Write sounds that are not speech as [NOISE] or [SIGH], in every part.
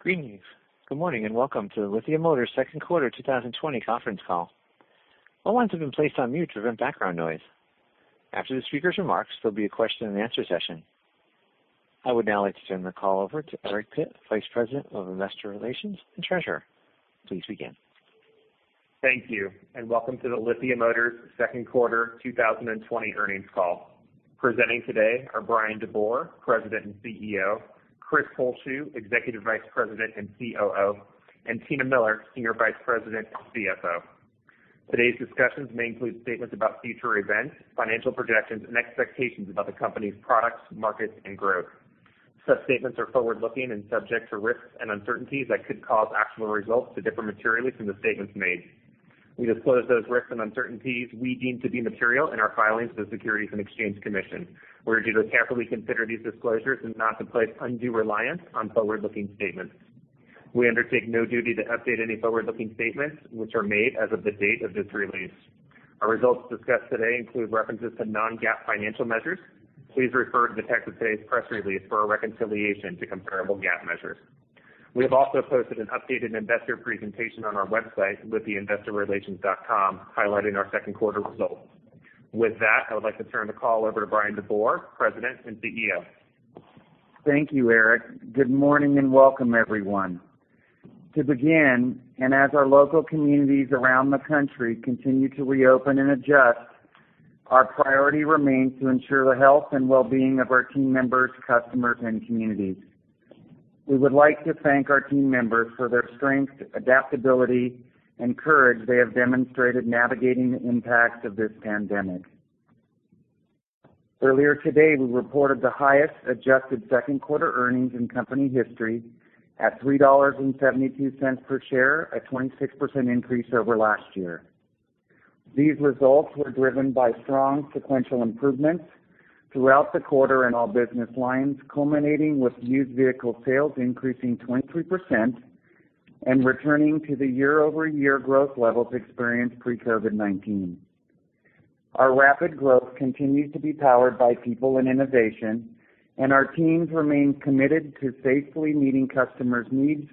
Greetings. Good morning and welcome to Lithia Motors' Second Quarter 2020 Conference Call. All lines have been placed on mute to prevent background noise. After the speaker's remarks, there'll be a question and answer session. I would now like to turn the call over to Eric Pitt, Vice President of Investor Relations and Treasurer. Please begin. Thank you and welcome to the Lithia Motors' Second Quarter 2020 Earnings Call. Presenting today are Bryan DeBoer, President and CEO, Chris Holzshu, Executive Vice President and COO, and Tina Miller, Senior Vice President and CFO. Today's discussions may include statements about future events, financial projections, and expectations about the company's products, markets, and growth. Such statements are forward-looking and subject to risks and uncertainties that could cause actual results to differ materially from the statements made. We disclose those risks and uncertainties we deem to be material in our filings to the Securities and Exchange Commission. We urge you to carefully consider these disclosures and not to place undue reliance on forward-looking statements. We undertake no duty to update any forward-looking statements which are made as of the date of this release. Our results discussed today include references to non-GAAP financial measures. Please refer to the text of today's press release for a reconciliation to comparable GAAP measures. We have also posted an updated investor presentation on our website, lithiainvestorrelations.com, highlighting our second quarter results. With that, I would like to turn the call over to Bryan DeBoer, President and CEO. Thank you, Eric. Good morning and welcome, everyone. To begin, and as our local communities around the country continue to reopen and adjust, our priority remains to ensure the health and well-being of our team members, customers, and communities. We would like to thank our team members for their strength, adaptability, and courage they have demonstrated navigating the impacts of this pandemic. Earlier today, we reported the highest adjusted second quarter earnings in company history at $3.72 per share, a 26% increase over last year. These results were driven by strong sequential improvements throughout the quarter in all business lines, culminating with used vehicle sales increasing 23% and returning to the year-over-year growth levels experienced pre-COVID-19. Our rapid growth continues to be powered by people and innovation, and our teams remain committed to safely meeting customers' needs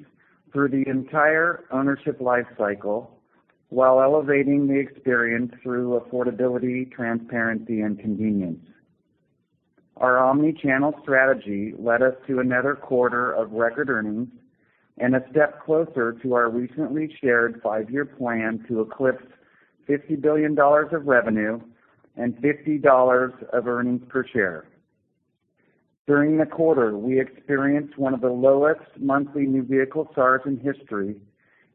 through the entire ownership life cycle while elevating the experience through affordability, transparency, and convenience. Our omnichannel strategy led us to another quarter of record earnings and a step closer to our recently shared five-year plan to eclipse $50 billion of revenue and $50 of earnings per share. During the quarter, we experienced one of the lowest monthly new vehicle sales in history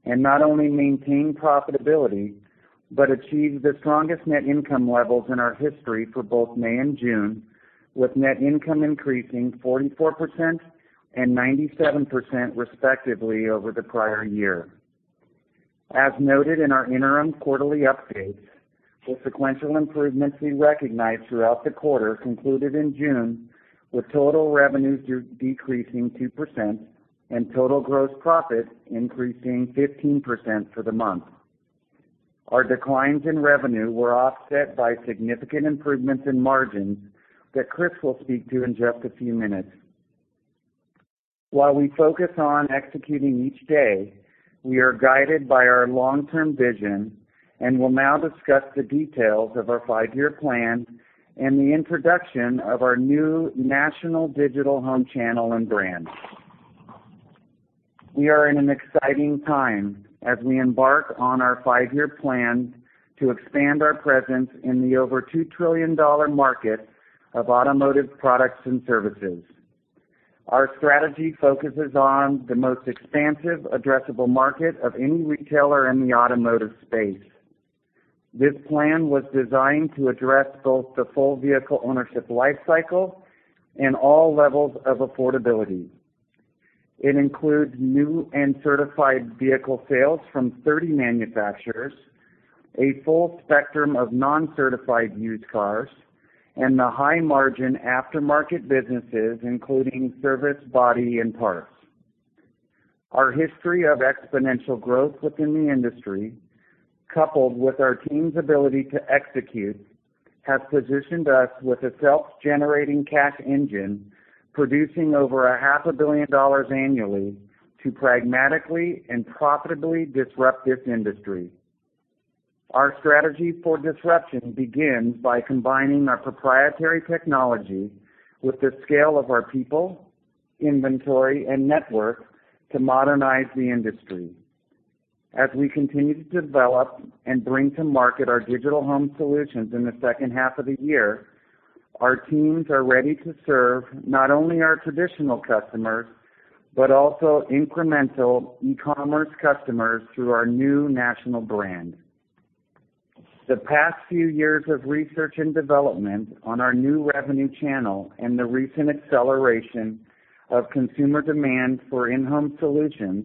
and not only maintained profitability but achieved the strongest net income levels in our history for both May and June, with net income increasing 44% and 97% respectively over the prior year. As noted in our interim quarterly updates, the sequential improvements we recognized throughout the quarter concluded in June, with total revenues decreasing 2% and total gross profit increasing 15% for the month. Our declines in revenue were offset by significant improvements in margins that Chris will speak to in just a few minutes. While we focus on executing each day, we are guided by our long-term vision and will now discuss the details of our five-year plan and the introduction of our new national digital home channel and brand. We are in an exciting time as we embark on our five-year plan to expand our presence in the over $2 trillion market of automotive products and services. Our strategy focuses on the most expansive addressable market of any retailer in the automotive space. This plan was designed to address both the full vehicle ownership life cycle and all levels of affordability. It includes new and certified vehicle sales from 30 manufacturers, a full spectrum of non-certified used cars, and the high-margin aftermarket businesses, including service, body, and parts. Our history of exponential growth within the industry, coupled with our team's ability to execute, has positioned us with a self-generating cash engine producing over $500 million annually to pragmatically and profitably disrupt this industry. Our strategy for disruption begins by combining our proprietary technology with the scale of our people, inventory, and network to modernize the industry. As we continue to develop and bring to market our digital home solutions in the second half of the year, our teams are ready to serve not only our traditional customers but also incremental e-commerce customers through our new national brand. The past few years of research and development on our new revenue channel and the recent acceleration of consumer demand for in-home solutions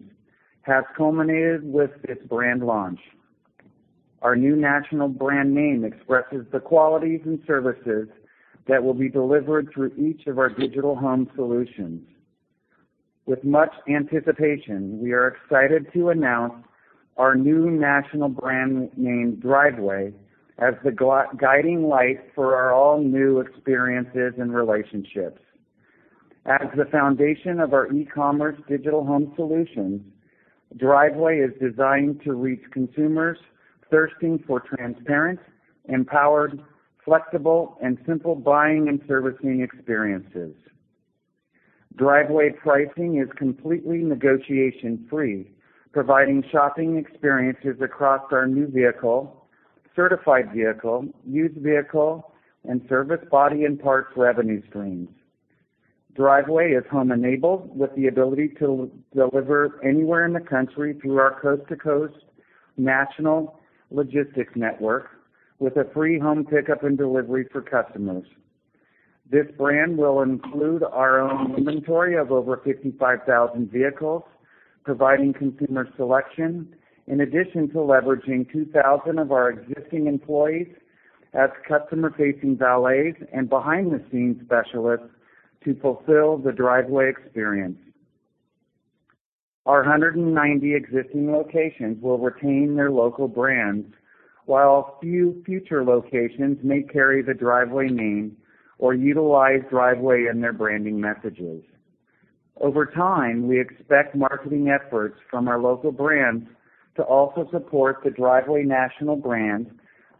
has culminated with this brand launch. Our new national brand name expresses the qualities and services that will be delivered through each of our digital home solutions. With much anticipation, we are excited to announce our new national brand name, Driveway, as the guiding light for our all-new experiences and relationships. As the foundation of our e-commerce digital home solutions, Driveway is designed to reach consumers thirsting for transparent, empowered, flexible, and simple buying and servicing experiences. Driveway pricing is completely negotiation-free, providing shopping experiences across our new vehicle, certified vehicle, used vehicle, and service, body, and parts revenue streams. Driveway is home-enabled with the ability to deliver anywhere in the country through our coast-to-coast national logistics network with a free home pickup and delivery for customers. This brand will include our own inventory of over 55,000 vehicles, providing consumer selection, in addition to leveraging 2,000 of our existing employees as customer-facing valets and behind-the-scenes specialists to fulfill the Driveway experience. Our 190 existing locations will retain their local brands, while a few future locations may carry the Driveway name or utilize Driveway in their branding messages. Over time, we expect marketing efforts from our local brands to also support the Driveway national brand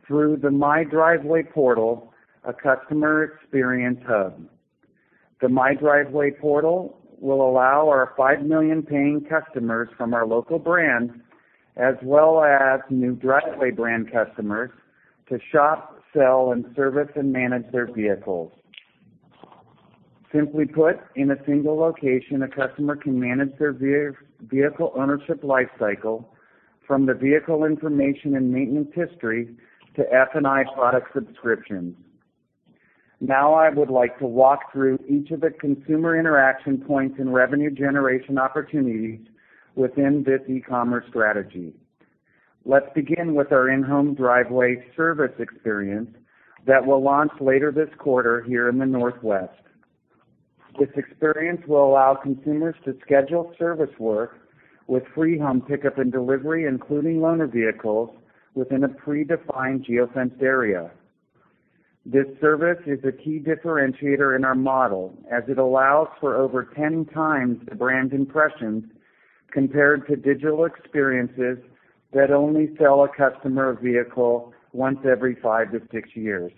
through the My Driveway portal, a customer experience hub. The My Driveway portal will allow our 5 million paying customers from our local brand, as well as new Driveway brand customers, to shop, sell, and service and manage their vehicles. Simply put, in a single location, a customer can manage their vehicle ownership life cycle from the vehicle information and maintenance history to F&I product subscriptions. Now, I would like to walk through each of the consumer interaction points and revenue generation opportunities within this e-commerce strategy. Let's begin with our in-home Driveway service experience that will launch later this quarter here in the Northwest. This experience will allow consumers to schedule service work with free home pickup and delivery, including loaner vehicles, within a pre-defined geofenced area. This service is a key differentiator in our model as it allows for over 10x the brand impressions compared to digital experiences that only sell a customer a vehicle once every five to six years.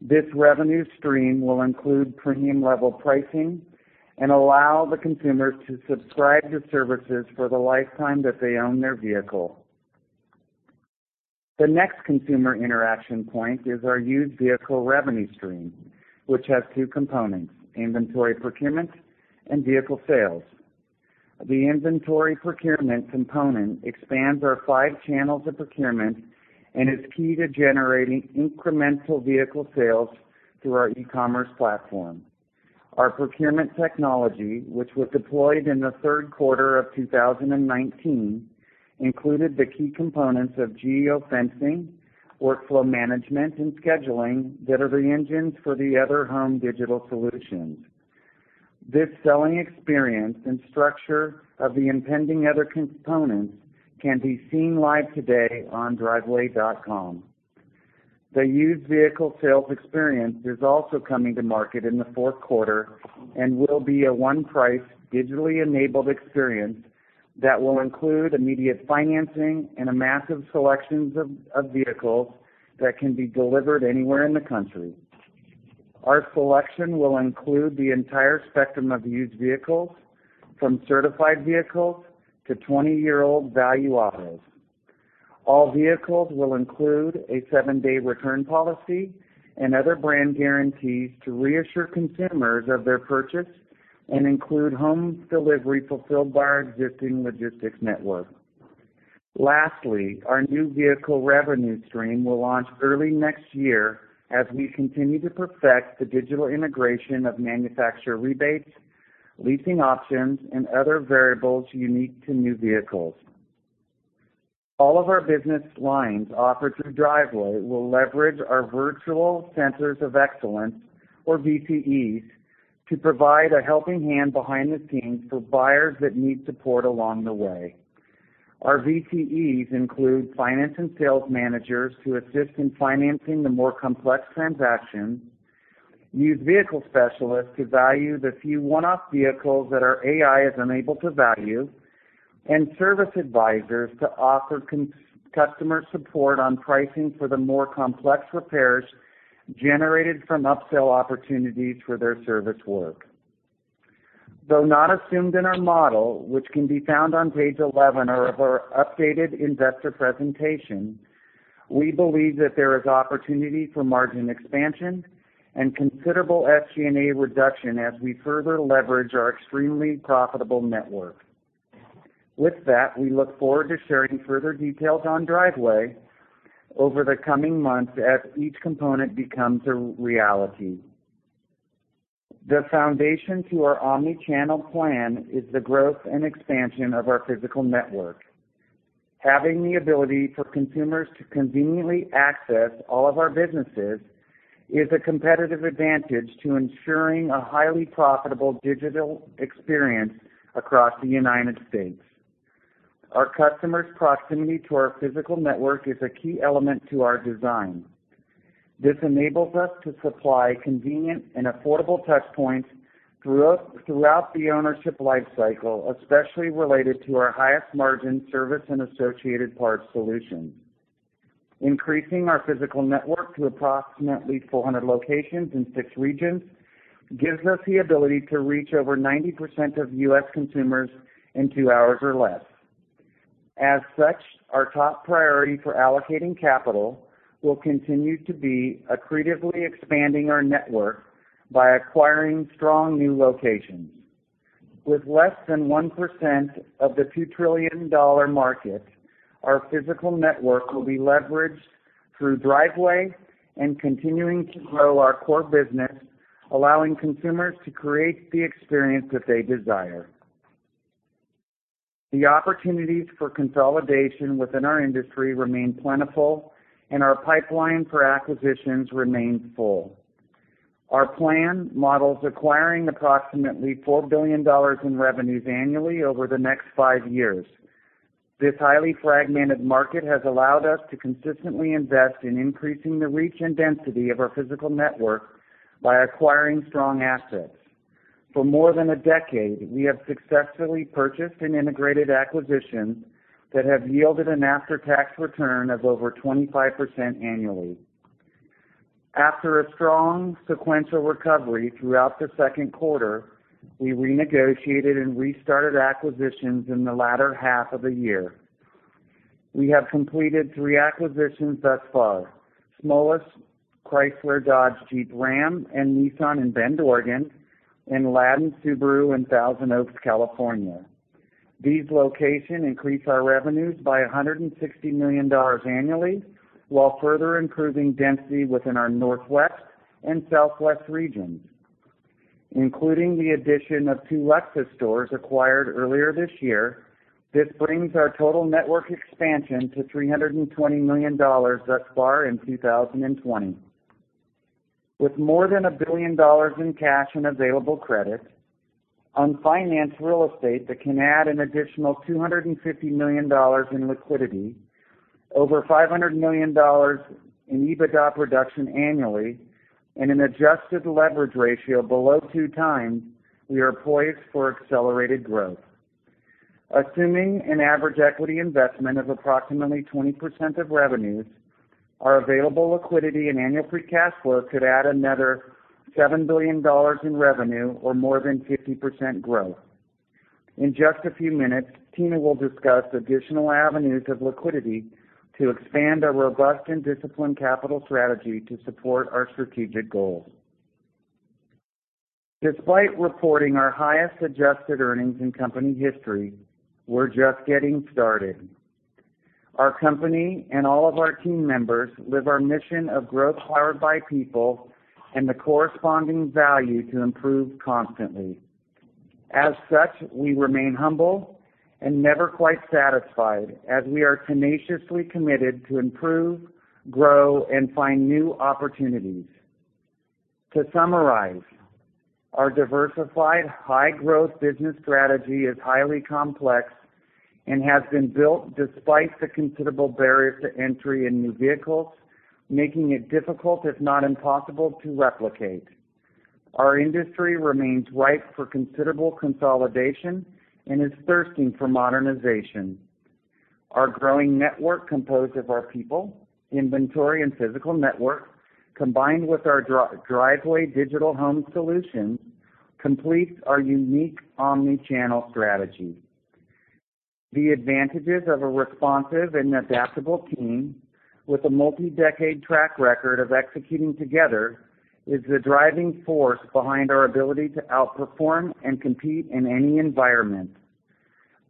This revenue stream will include premium-level pricing and allow the consumers to subscribe to services for the lifetime that they own their vehicle. The next consumer interaction point is our used vehicle revenue stream, which has two components: inventory procurement and vehicle sales. The inventory procurement component expands our five channels of procurement and is key to generating incremental vehicle sales through our e-commerce platform. Our procurement technology, which was deployed in the third quarter of 2019, included the key components of geofencing, workflow management, and scheduling that are the engines for the other home digital solutions. This selling experience and structure of the impending other components can be seen live today on Driveway.com. The used vehicle sales experience is also coming to market in the fourth quarter and will be a one-price, digitally enabled experience that will include immediate financing and a massive selection of vehicles that can be delivered anywhere in the country. Our selection will include the entire spectrum of used vehicles, from certified vehicles to 20-year-old Value Autos. All vehicles will include a seven-day return policy and other brand guarantees to reassure consumers of their purchase and include home delivery fulfilled by our existing logistics network. Lastly, our new vehicle revenue stream will launch early next year as we continue to perfect the digital integration of manufacturer rebates, leasing options, and other variables unique to new vehicles. All of our business lines offered through Driveway will leverage our virtual centers of excellence, or VCEs, to provide a helping hand behind the scenes for buyers that need support along the way. Our VCEs include finance and sales managers to assist in financing the more complex transactions, used vehicle specialists to value the few one-off vehicles that our AI is unable to value, and service advisors to offer customer support on pricing for the more complex repairs generated from upsell opportunities for their service work. Though not assumed in our model, which can be found on page 11 of our updated investor presentation, we believe that there is opportunity for margin expansion and considerable SG&A reduction as we further leverage our extremely profitable network. With that, we look forward to sharing further details on Driveway over the coming months as each component becomes a reality. The foundation to our omnichannel plan is the growth and expansion of our physical network. Having the ability for consumers to conveniently access all of our businesses is a competitive advantage to ensuring a highly profitable digital experience across the United States. Our customers' proximity to our physical network is a key element to our design. This enables us to supply convenient and affordable touchpoints throughout the ownership life cycle, especially related to our highest margin service and associated parts solutions. Increasing our physical network to approximately 400 locations in six regions gives us the ability to reach over 90% of U.S. consumers in two hours or less. As such, our top priority for allocating capital will continue to be accretively expanding our network by acquiring strong new locations. With less than 1% of the $2 trillion market, our physical network will be leveraged through Driveway and continuing to grow our Core business, allowing consumers to create the experience that they desire. The opportunities for consolidation within our industry remain plentiful, and our pipeline for acquisitions remains full. Our plan models acquiring approximately $4 billion in revenues annually over the next five years. This highly fragmented market has allowed us to consistently invest in increasing the reach and density of our physical network by acquiring strong assets. For more than a decade, we have successfully purchased and integrated acquisitions that have yielded an after-tax return of over 25% annually. After a strong sequential recovery throughout the second quarter, we renegotiated and restarted acquisitions in the latter half of the year. We have completed three acquisitions thus far: Smolich Chrysler Dodge Jeep Ram and Nissan in Bend, Oregon, and Ladin Subaru in Thousand Oaks, California. These locations increase our revenues by $160 million annually while further improving density within our Northwest and Southwest regions. Including the addition of two Lexus stores acquired earlier this year, this brings our total network expansion to $320 million thus far in 2020. With more than $1 billion in cash and available credit, unfinanced real estate that can add an additional $250 million in liquidity, over $500 million in EBITDA production annually, and an adjusted leverage ratio below two times, we are poised for accelerated growth. Assuming an average equity investment of approximately 20% of revenues, our available liquidity and annual free cash flow could add another $7 billion in revenue or more than 50% growth. In just a few minutes, Tina will discuss additional avenues of liquidity to expand our robust and disciplined capital strategy to support our strategic goals. Despite reporting our highest adjusted earnings in company history, we're just getting started. Our company and all of our team members live our mission of growth powered by people and the corresponding value to improve constantly. As such, we remain humble and never quite satisfied, as we are tenaciously committed to improve, grow, and find new opportunities. To summarize, our diversified high-growth business strategy is highly complex and has been built despite the considerable barriers to entry in new vehicles, making it difficult, if not impossible, to replicate. Our industry remains ripe for considerable consolidation and is thirsting for modernization. Our growing network composed of our people, inventory, and physical network, combined with our Driveway digital home solutions, completes our unique omnichannel strategy. The advantages of a responsive and adaptable team, with a multi-decade track record of executing together, is the driving force behind our ability to outperform and compete in any environment.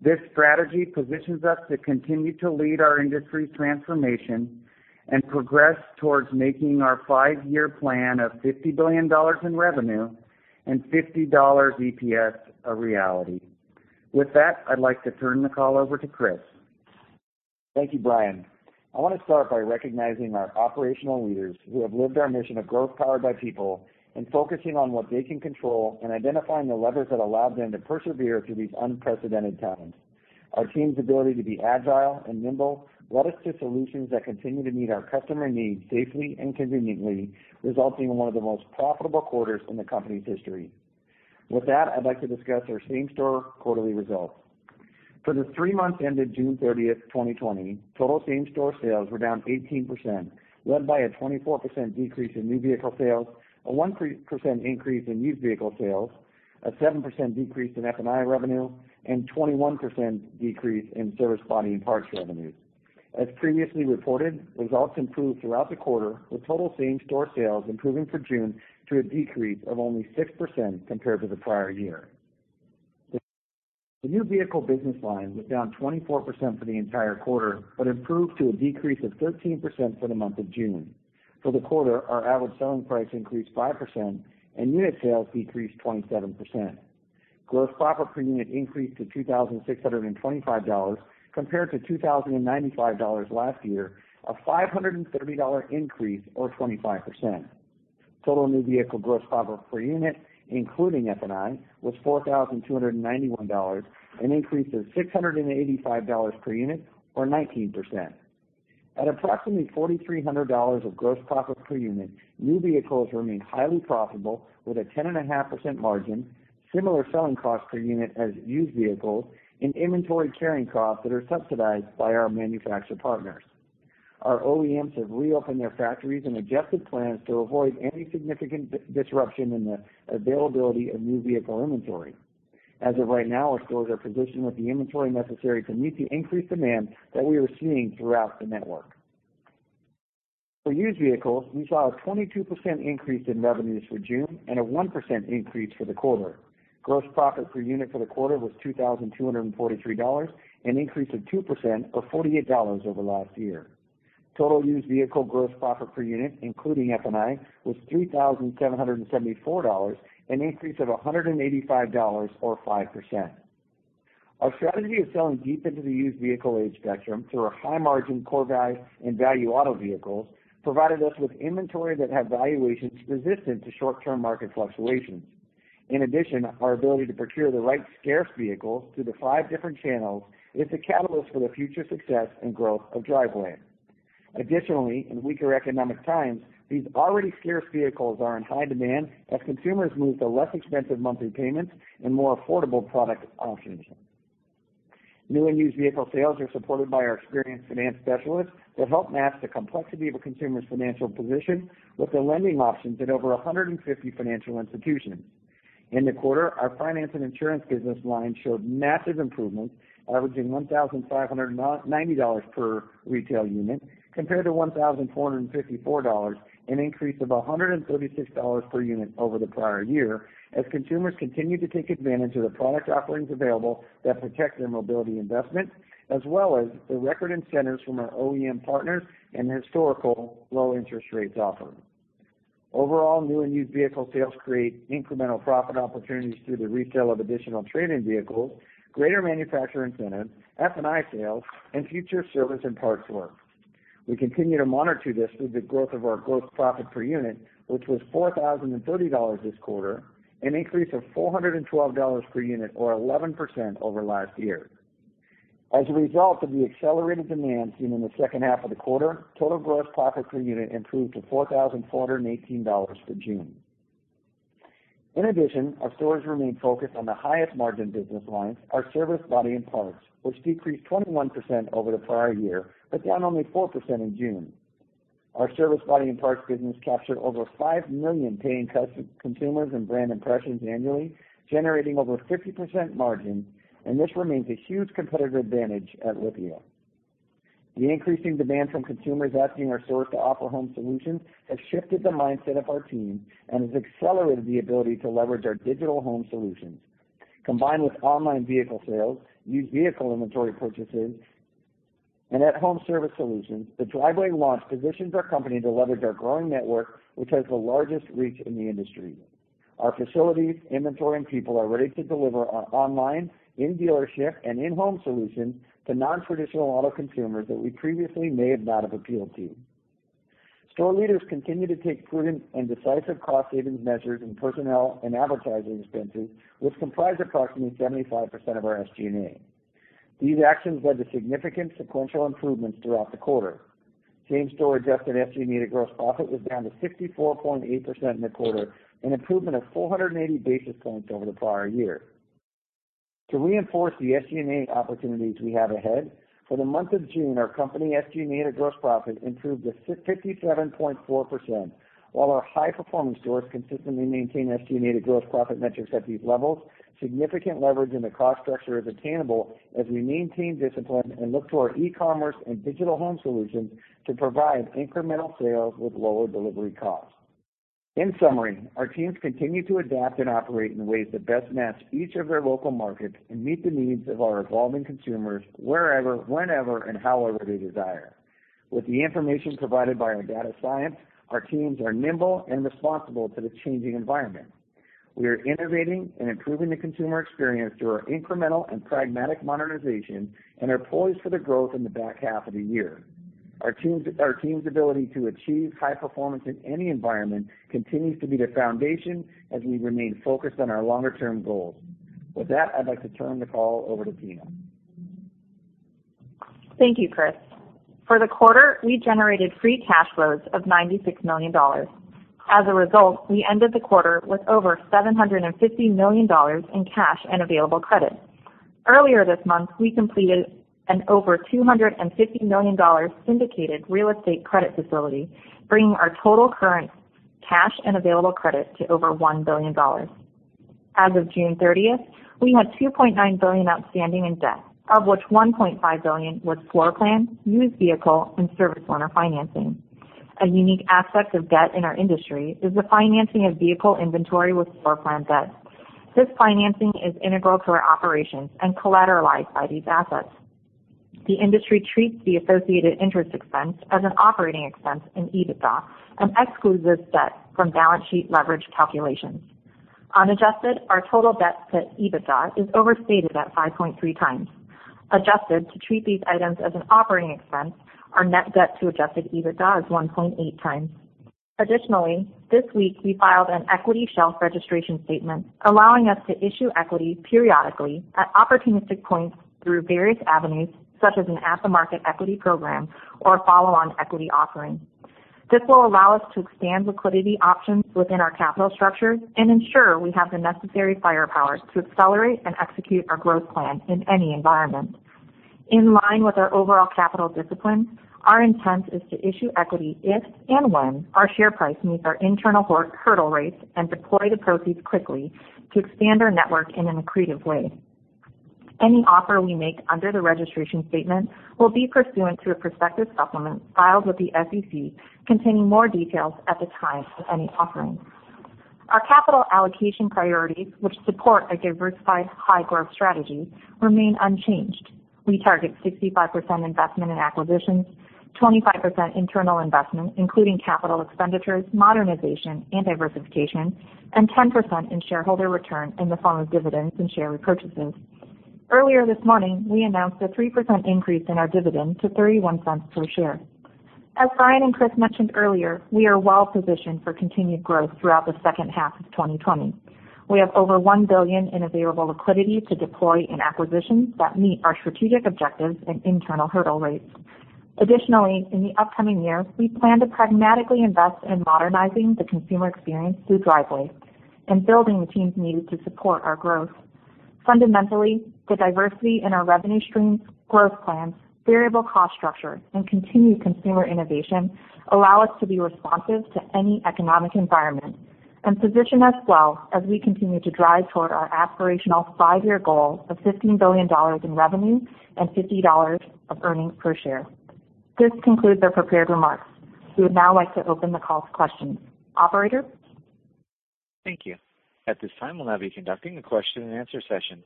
This strategy positions us to continue to lead our industry's transformation and progress towards making our five-year plan of $50 billion in revenue and $50 EPS a reality. With that, I'd like to turn the call over to Chris. Thank you, Bryan. I want to start by recognizing our operational leaders who have lived our mission of growth powered by people and focusing on what they can control and identifying the levers that allow them to persevere through these unprecedented times. Our team's ability to be agile and nimble led us to solutions that continue to meet our customer needs safely and conveniently, resulting in one of the most profitable quarters in the company's history. With that, I'd like to discuss our same-store quarterly results. For the three months ended June 30th, 2020, total same-store sales were down 18%, led by a 24% decrease in new vehicle sales, a 1% increase in used vehicle sales, a 7% decrease in F&I revenue, and a 21% decrease in service body and parts revenues. As previously reported, results improved throughout the quarter, with total same-store sales improving for June to a decrease of only 6% compared to the prior year. The new vehicle business line was down 24% for the entire quarter but improved to a decrease of 13% for the month of June. For the quarter, our average selling price increased 5%, and unit sales decreased 27%. Gross profit per unit increased to $2,625 compared to $2,095 last year, a $530 increase or 25%. Total new vehicle gross profit per unit, including F&I, was $4,291, an increase of $685 per unit or 19%. At approximately $4,300 of gross profit per unit, new vehicles remain highly profitable with a 10.5% margin, similar selling costs per unit as used vehicles, and inventory carrying costs that are subsidized by our manufacturer partners. Our OEMs have reopened their factories and adjusted plans to avoid any significant disruption in the availability of new vehicle inventory. As of right now, our stores are positioned with the inventory necessary to meet the increased demand that we are seeing throughout the network. For used vehicles, we saw a 22% increase in revenues for June and a 1% increase for the quarter. Gross profit per unit for the quarter was $2,243, an increase of 2% or $48 over last year. Total used vehicle gross profit per unit, including F&I, was $3,774, an increase of $185 or 5%. Our strategy of selling deep into the used vehicle age spectrum through our high-margin, Core, Value and Value Auto vehicles provided us with inventory that had valuations resistant to short-term market fluctuations. In addition, our ability to procure the right scarce vehicles through the five different channels is the catalyst for the future success and growth of Driveway. Additionally, in weaker economic times, these already scarce vehicles are in high demand as consumers move to less expensive monthly payments and more affordable product options. New and used vehicle sales are supported by our experienced finance specialists that help match the complexity of a consumer's financial position with the lending options at over 150 financial institutions. In the quarter, our finance and insurance business line showed massive improvements, averaging $1,590 per retail unit compared to $1,454, an increase of $136 per unit over the prior year, as consumers continue to take advantage of the product offerings available that protect their mobility investments, as well as the record incentives from our OEM partners and historical low-interest rates offered. Overall, new and used vehicle sales create incremental profit opportunities through the resale of additional trade-in vehicles, greater manufacturer incentives, F&I sales, and future service and parts work. We continue to monitor this through the growth of our gross profit per unit, which was $4,030 this quarter, an increase of $412 per unit or 11% over last year. As a result of the accelerated demand seen in the second half of the quarter, total gross profit per unit improved to $4,418 for June. In addition, our stores remain focused on the highest margin business lines, our service, body, and parts, which decreased 21% over the prior year but down only 4% in June. Our service, body, and parts business captured over 5 million paying consumers and brand impressions annually, generating over 50% margin, and this remains a huge competitive advantage at Lithia. The increasing demand from consumers asking our stores to offer home solutions has shifted the mindset of our team and has accelerated the ability to leverage our digital home solutions. Combined with online vehicle sales, used vehicle inventory purchases, and at-home service solutions, the Driveway launch positions our company to leverage our growing network, which has the largest reach in the industry. Our facilities, inventory, and people are ready to deliver our online, in-dealership, and in-home solutions to non-traditional auto consumers that we previously may not have appealed to. Store leaders continue to take prudent and decisive cost-savings measures in personnel and advertising expenses, which comprise approximately 75% of our SG&A. These actions led to significant sequential improvements throughout the quarter. Same-store adjusted SG&A gross profit was down to 64.8% in the quarter, an improvement of 480 basis points over the prior year. To reinforce the SG&A opportunities we have ahead, for the month of June, our company SG&A gross profit improved to 57.4%, while our high-performing stores consistently maintain SG&A gross profit metrics at these levels. Significant leverage in the cost structure is attainable as we maintain discipline and look to our e-commerce and digital home solutions to provide incremental sales with lower delivery costs. In summary, our teams continue to adapt and operate in ways that best match each of their local markets and meet the needs of our evolving consumers wherever, whenever, and however they desire. With the information provided by our data science, our teams are nimble and responsible to the changing environment. We are innovating and improving the consumer experience through our incremental and pragmatic modernization and our poise for the growth in the back half of the year. Our team's ability to achieve high performance in any environment continues to be the foundation as we remain focused on our longer-term goals. With that, I'd like to turn the call over to Tina. Thank you, Chris. For the quarter, we generated free cash flows of $96 million. As a result, we ended the quarter with over $750 million in cash and available credit. Earlier this month, we completed an over $250 million syndicated real estate credit facility, bringing our total current cash and available credit to over $1 billion. As of June 30th, we had $2.9 billion outstanding in debt, of which $1.5 billion was floor plan, used vehicle, and service owner financing. A unique aspect of debt in our industry is the financing of vehicle inventory with floor plan debt. This financing is integral to our operations and collateralized by these assets. The industry treats the associated interest expense as an operating expense in EBITDA and excludes this debt from balance sheet leverage calculations. Unadjusted, our total debt to EBITDA is overstated at 5.3x. Adjusted to treat these items as an operating expense, our net debt to adjusted EBITDA is 1.8x. Additionally, this week, we filed an equity shelf registration statement, allowing us to issue equity periodically at opportunistic points through various avenues, such as an after-market equity program or a follow-on equity offering. This will allow us to expand liquidity options within our capital structure and ensure we have the necessary firepower to accelerate and execute our growth plan in any environment. In line with our overall capital discipline, our intent is to issue equity if and when our share price meets our internal hurdle rates and deploy the proceeds quickly to expand our network in an accretive way. Any offer we make under the registration statement will be pursuant to a prospective supplement filed with the SEC, containing more details at the time of any offering. Our capital allocation priorities, which support a diversified high-growth strategy, remain unchanged. We target 65% investment in acquisitions, 25% internal investment, including capital expenditures, modernization, and diversification, and 10% in shareholder return in the form of dividends and share repurchases. Earlier this morning, we announced a 3% increase in our dividend to $0.31 per share. As Bryan and Chris mentioned earlier, we are well-positioned for continued growth throughout the second half of 2020. We have over $1 billion in available liquidity to deploy in acquisitions that meet our strategic objectives and internal hurdle rates. Additionally, in the upcoming year, we plan to pragmatically invest in modernizing the consumer experience through Driveway and building the teams needed to support our growth. Fundamentally, the diversity in our revenue streams, growth plans, variable cost structure, and continued consumer innovation allow us to be responsive to any economic environment and position us well as we continue to drive toward our aspirational five-year goal of $15 billion in revenue and $50 of earnings per share. This concludes our prepared remarks. We would now like to open the call to questions. Operator? Thank you. At this time, we'll now be conducting a question and answer session.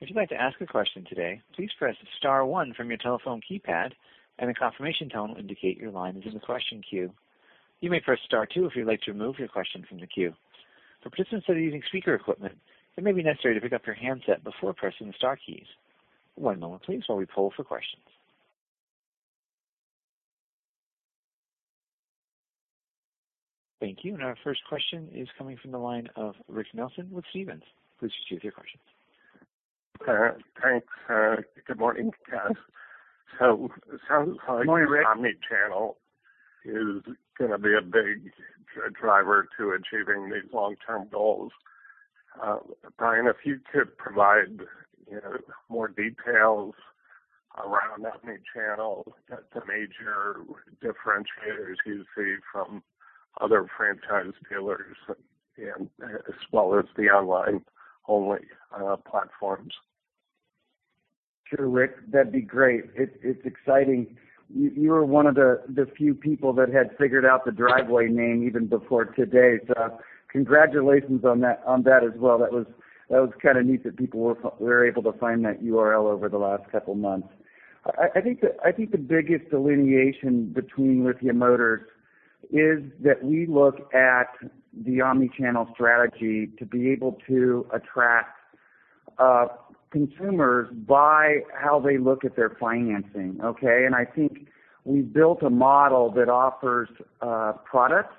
If you'd like to ask a question today, please press star one from your telephone keypad, and a confirmation tone will indicate your line is in the question queue. You may press star two if you'd like to remove your question from the queue. For participants that are using speaker equipment, it may be necessary to pick up your handset before pressing the star keys. One moment, please, while we pull for questions. Thank you. And our first question is coming from the line of Rick Nelson with Stephens. Please proceed with your questions. Hi. Thanks. Good morning, guys. So some of the omnichannel is going to be a big driver to achieving these long-term goals. Bryan, if you could provide more details around omnichannel, the major differentiators you see from other franchise dealers as well as the online-only platforms? Sure, Rick. That'd be great. It's exciting. You were one of the few people that had figured out the Driveway name even before today, so congratulations on that as well. That was kind of neat that people were able to find that URL over the last couple of months. I think the biggest delineation between Lithia Motors is that we look at the omnichannel strategy to be able to attract consumers by how they look at their financing, and I think we've built a model that offers products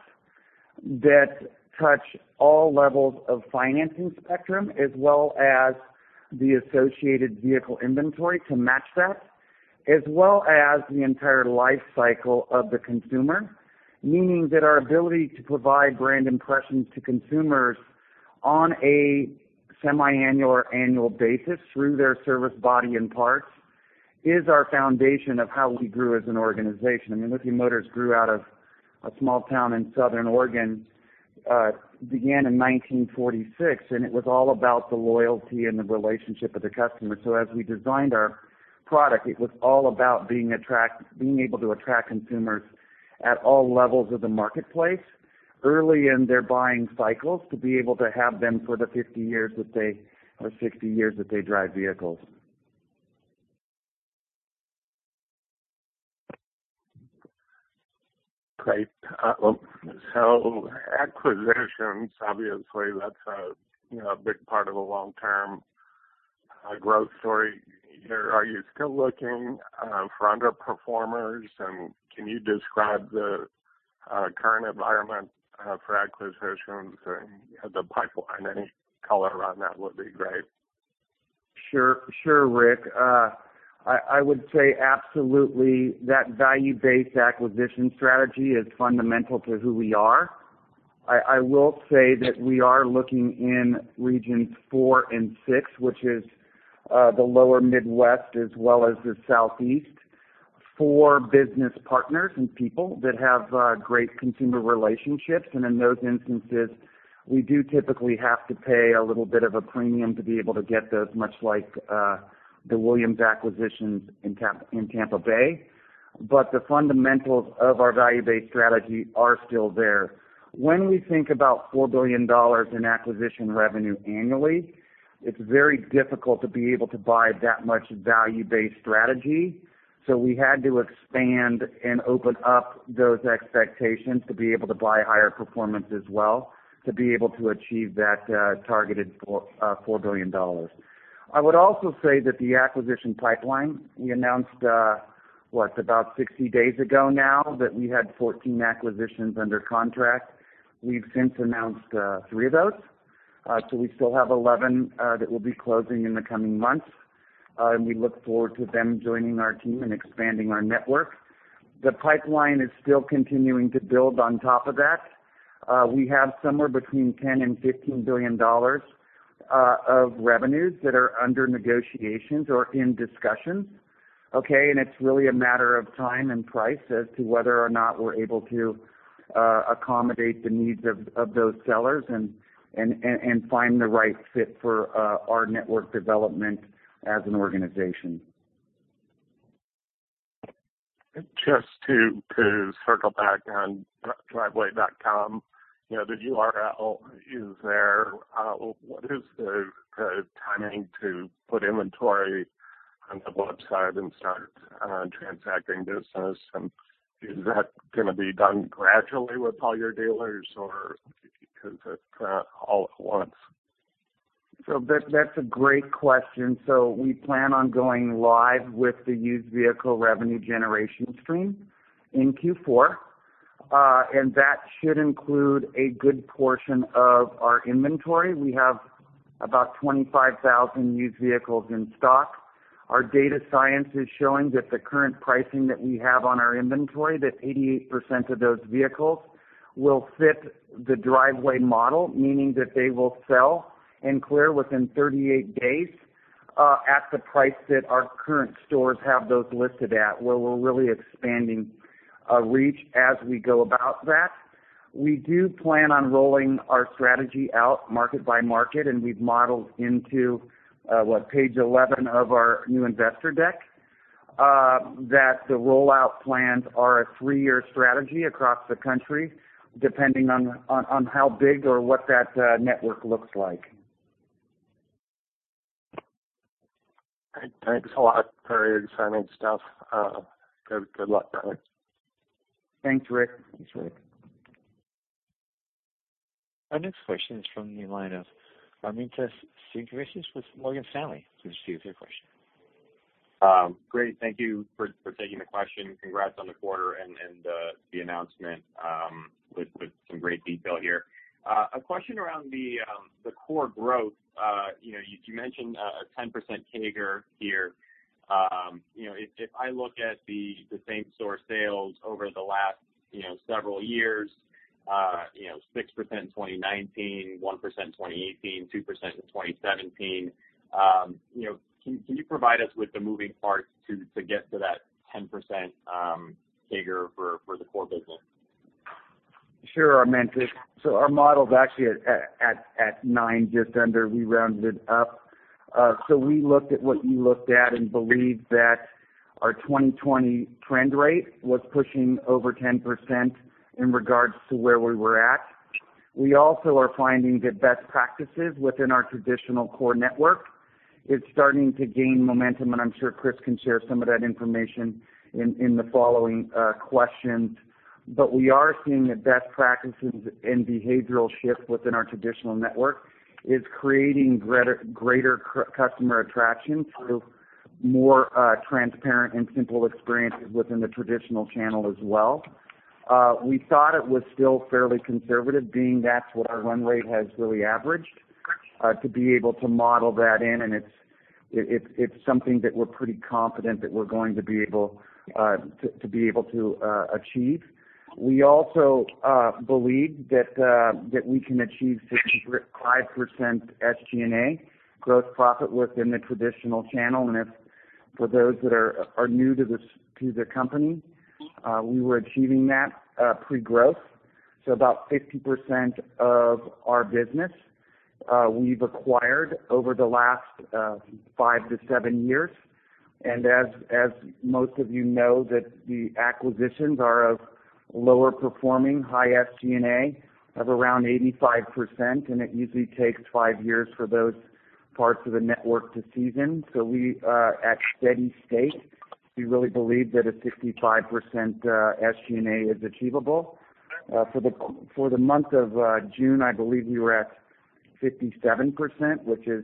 that touch all levels of financing spectrum, as well as the associated vehicle inventory to match that, as well as the entire life cycle of the consumer, meaning that our ability to provide brand impressions to consumers on a semiannual or annual basis through their service body and parts is our foundation of how we grew as an organization. I mean, Lithia Motors grew out of a small town in Southern Oregon, began in 1946, and it was all about the loyalty and the relationship with the customer. So as we designed our product, it was all about being able to attract consumers at all levels of the marketplace early in their buying cycles to be able to have them for the 50 years that they or 60 years that they drive vehicles. Great. Well, so acquisitions, obviously, that's a big part of a long-term growth story. Are you still looking for underperformers, and can you describe the current environment for acquisitions and the pipeline? Any color on that would be great. Sure, Rick. I would say absolutely that value-based acquisition strategy is fundamental to who we are. I will say that we are looking in regions four and six, which is the lower Midwest as well as the Southeast, for business partners and people that have great consumer relationships. And in those instances, we do typically have to pay a little bit of a premium to be able to get those, much like the Williams acquisitions in Tampa Bay. But the fundamentals of our value-based strategy are still there. When we think about $4 billion in acquisition revenue annually, it's very difficult to be able to buy that much value-based strategy. So we had to expand and open up those expectations to be able to buy higher performance as well to be able to achieve that targeted $4 billion. I would also say that the acquisition pipeline, we announced, what, about 60 days ago now that we had 14 acquisitions under contract. We've since announced three of those. So we still have 11 that will be closing in the coming months, and we look forward to them joining our team and expanding our network. The pipeline is still continuing to build on top of that. We have somewhere between $10 billion-$15 billion of revenues that are under negotiations or in discussion. And it's really a matter of time and price as to whether or not we're able to accommodate the needs of those sellers and find the right fit for our network development as an organization. Just to circle back on Driveway.com, the URL is there. What is the timing to put inventory on the website and start transacting business? And is that going to be done gradually with all your dealers or is it all at once? So that's a great question. So we plan on going live with the used vehicle revenue generation stream in Q4, and that should include a good portion of our inventory. We have about 25,000 used vehicles in stock. Our data science is showing that the current pricing that we have on our inventory, that 88% of those vehicles will fit the Driveway model, meaning that they will sell and clear within 38 days at the price that our current stores have those listed at, where we're really expanding reach as we go about that. We do plan on rolling our strategy out market by market, and we've modeled into what, page 11 of our new investor deck, that the rollout plans are a three-year strategy across the country, depending on how big or what that network looks like. Thanks a lot for your exciting stuff. Good luck, Bryan. Thanks, Rick. Thanks, Rick. Our next question is from the line of [AUDIO DISTORTION] with Morgan Stanley. Great. Thank you for taking the question. Congrats on the quarter and the announcement with some great detail here. A question around the Core growth. You mentioned a 10% CAGR here. If I look at the same store sales over the last several years, 6% in 2019, 1% in 2018, 2% in 2017, can you provide us with the moving parts to get to that 10% CAGR for the Core business? Sure. [AUDIO DISTORTION] so our model's actually at 9 just under. We rounded it up. So we looked at what you looked at and believed that our 2020 trend rate was pushing over 10% in regards to where we were at. We also are finding that best practices within our traditional Core Network is starting to gain momentum, and I'm sure Chris can share some of that information in the following questions. But we are seeing that best practices and behavioral shift within our traditional network is creating greater customer attraction through more transparent and simple experiences within the traditional channel as well. We thought it was still fairly conservative, being that's what our run rate has really averaged, to be able to model that in. And it's something that we're pretty confident that we're going to be able to achieve. We also believe that we can achieve 65% SG&A growth profit within the traditional channel. And for those that are new to the company, we were achieving that pre-growth. So about 50% of our business we've acquired over the last five to seven years. And as most of you know, the acquisitions are of lower-performing, high SG&A of around 85%, and it usually takes five years for those parts of the network to season. So at steady state, we really believe that a 65% SG&A is achievable. For the month of June, I believe we were at 57%, which is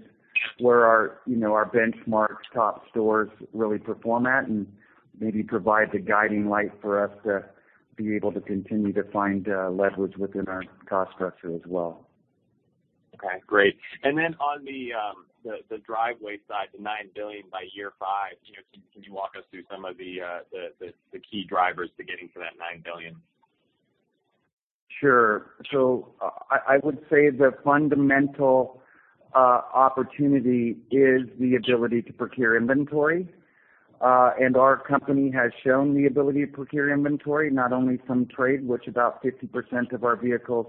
where our benchmark top stores really perform at and maybe provide the guiding light for us to be able to continue to find leverage within our cost structure as well. Okay. Great. And then on the Driveway side, the $9 billion by year five, can you walk us through some of the key drivers to getting to that $9 billion? Sure. So I would say the fundamental opportunity is the ability to procure inventory. And our company has shown the ability to procure inventory, not only from trade, which about 50% of our vehicles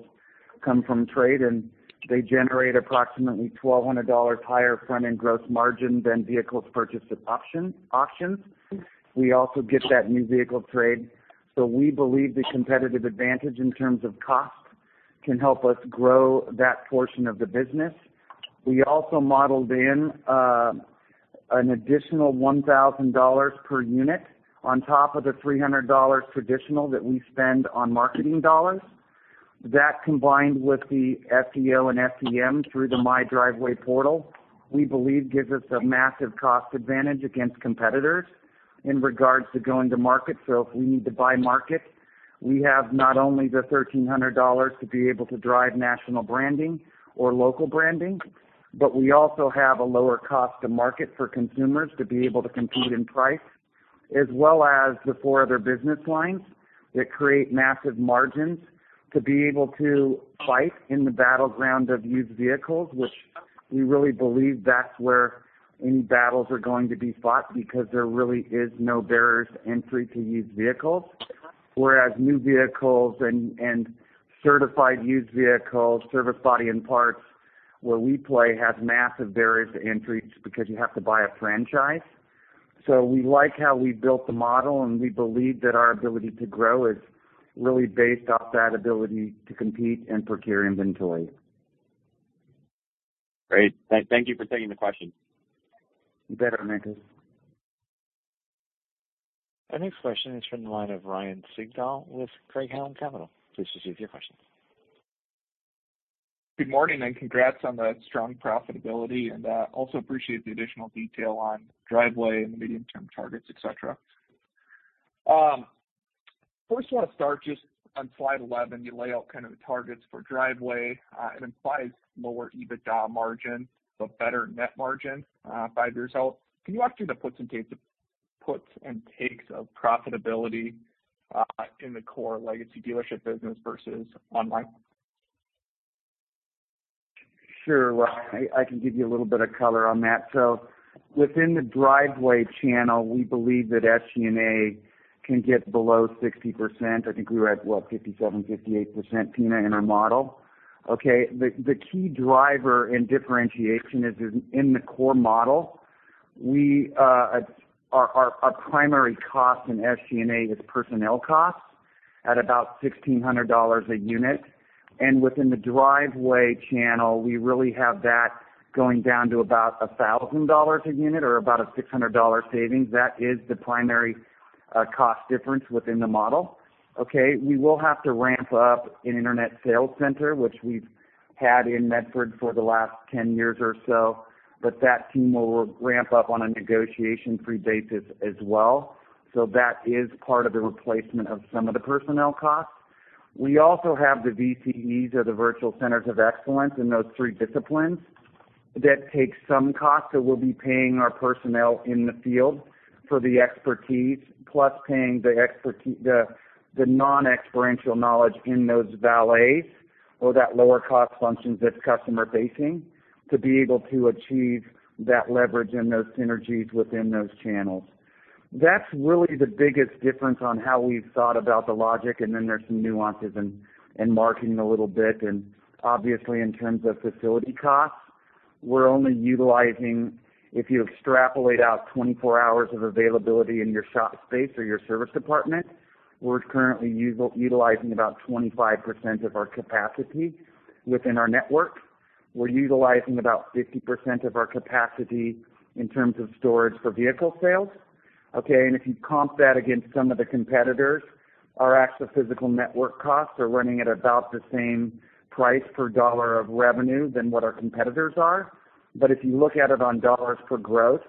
come from trade, and they generate approximately $1,200 higher front-end gross margin than vehicles purchased at auctions. We also get that new vehicle trade. So we believe the competitive advantage in terms of cost can help us grow that portion of the business. We also modeled in an additional $1,000 per unit on top of the $300 traditional that we spend on marketing dollars. That combined with the SEO and SEM through the My Driveway portal, we believe gives us a massive cost advantage against competitors in regards to going to market. So if we need to buy market, we have not only the $1,300 to be able to drive national branding or local branding, but we also have a lower cost to market for consumers to be able to compete in price, as well as the four other business lines that create massive margins to be able to fight in the battleground of used vehicles, which we really believe that's where any battles are going to be fought because there really is no barrier to entry to used vehicles. Whereas new vehicles and certified used vehicles, service body and parts, where we play, have massive barriers to entry because you have to buy a franchise. So we like how we built the model, and we believe that our ability to grow is really based off that ability to compete and procure inventory. Great. Thank you for taking the question. You bet. [AUDIO DISTORTION] Our next question is from the line of Ryan Sigdahl with Craig-Hallum Capital. Please proceed with your question. Good morning, and congrats on the strong profitability. And also appreciate the additional detail on Driveway and the medium-term targets, et cetera. First, I want to start just on slide 11. You lay out kind of the targets for Driveway. It implies lower EBITDA margin, but better net margin five years out. Can you walk through the puts and takes of profitability in the Core legacy dealership business versus online? Sure. I can give you a little bit of color on that. So within the Driveway channel, we believe that SG&A can get below 60%. I think we were at, what, 57%-58%, Tina, in our model. The key driver and differentiation is in the Core model. Our primary cost in SG&A is personnel costs at about $1,600 a unit. And within the Driveway channel, we really have that going down to about $1,000 a unit or about a $600 savings. That is the primary cost difference within the model. We will have to ramp up an internet sales center, which we've had in Medford for the last 10 years or so, but that team will ramp up on a negotiation-free basis as well. So that is part of the replacement of some of the personnel costs. We also have the VCEs, or the Virtual Centers of Excellence, in those three disciplines that take some cost. So we'll be paying our personnel in the field for the expertise, plus paying the non-experiential knowledge in those valet or that lower-cost function that's customer-facing to be able to achieve that leverage and those synergies within those channels. That's really the biggest difference on how we've thought about the logic. And then there's some nuances in marketing a little bit. And obviously, in terms of facility costs, we're only utilizing if you extrapolate out 24 hours of availability in your shop space or your service department. We're currently utilizing about 25% of our capacity within our network. We're utilizing about 50% of our capacity in terms of storage for vehicle sales. And if you comp that against some of the competitors, our actual physical network costs are running at about the same price per dollar of revenue than what our competitors are. But if you look at it on dollars per gross,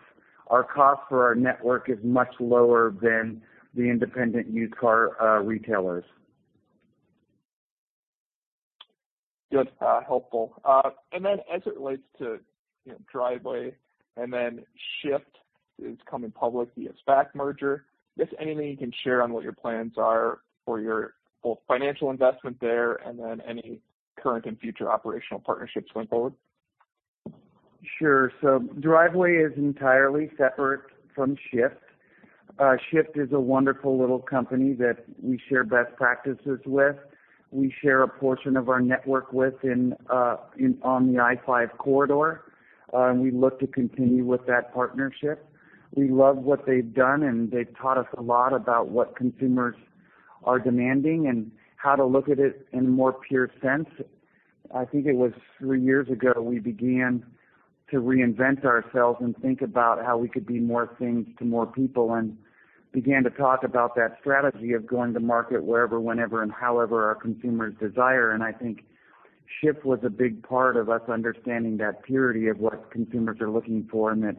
our cost for our network is much lower than the independent used car retailers. Good. Helpful. And then as it relates to Driveway and then Shift is coming public via SPAC merger, I guess anything you can share on what your plans are for your both financial investment there and then any current and future operational partnerships going forward? Sure. So Driveway is entirely separate from Shift. Shift is a wonderful little company that we share best practices with. We share a portion of our network within on the I-5 Corridor, and we look to continue with that partnership. We love what they've done, and they've taught us a lot about what consumers are demanding and how to look at it in a more pure sense. I think it was three years ago we began to reinvent ourselves and think about how we could be more things to more people and began to talk about that strategy of going to market wherever, whenever, and however our consumers desire. And I think Shift was a big part of us understanding that purity of what consumers are looking for and that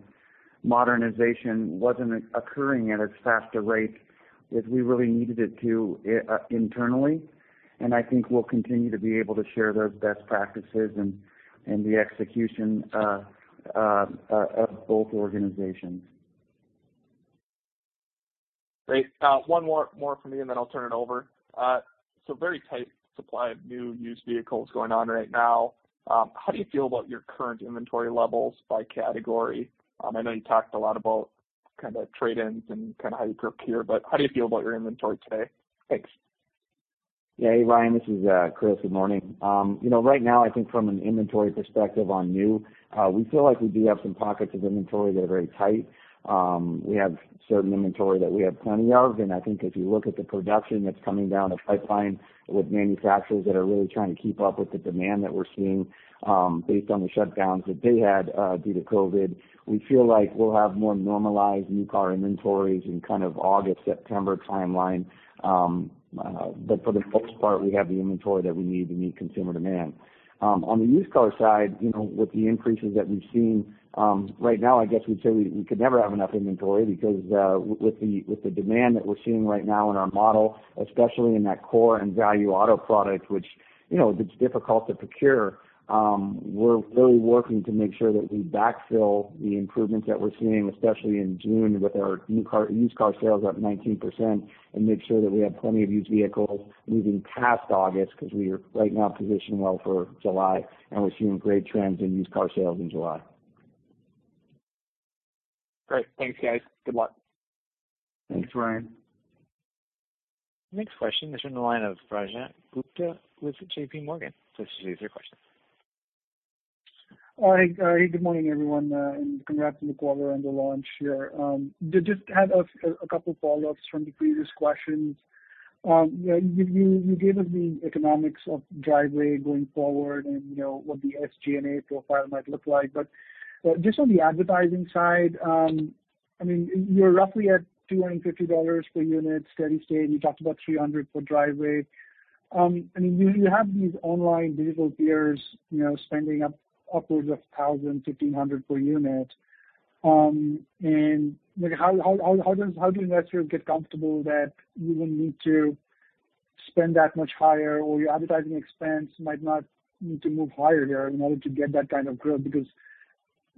modernization wasn't occurring at as fast a rate as we really needed it to internally. And I think we'll continue to be able to share those best practices and the execution of both organizations. Great. One more from me, and then I'll turn it over. So very tight supply of new used vehicles going on right now. How do you feel about your current inventory levels by category? I know you talked a lot about kind of trade-ins and kind of how you procure, but how do you feel about your inventory today? Thanks. Hey, Ryan. This is Chris. Good morning. Right now, I think from an inventory perspective on new, we feel like we do have some pockets of inventory that are very tight. We have certain inventory that we have plenty of. And I think if you look at the production that's coming down the pipeline with manufacturers that are really trying to keep up with the demand that we're seeing based on the shutdowns that they had due to COVID, we feel like we'll have more normalized new car inventories in kind of August, September timeline. But for the most part, we have the inventory that we need to meet consumer demand. On the used car side, with the increases that we've seen, right now, I guess we'd say we could never have enough inventory because with the demand that we're seeing right now in our model, especially in that Core and Value Auto product, which it's difficult to procure, we're really working to make sure that we backfill the improvements that we're seeing, especially in June with our used car sales up 19%, and make sure that we have plenty of used vehicles moving past August because we are right now positioned well for July, and we're seeing great trends in used car sales in July. Great. Thanks, guys. Good luck. Thanks, Ryan. Next question is from the line of Rajat Gupta with J.P. Morgan. Please proceed with your question. Hey, good morning, everyone. And congrats on the quarter-end launch here. Just had a couple of follow-ups from the previous questions. You gave us the economics of Driveway going forward and what the SG&A profile might look like. But just on the advertising side, I mean, you're roughly at $250 per unit, steady state. You talked about $300 for Driveway. I mean, you have these online digital peers spending upwards of $1,000-$1,500 per unit, and how do investors get comfortable that you wouldn't need to spend that much higher, or your advertising expense might not need to move higher here in order to get that kind of growth, because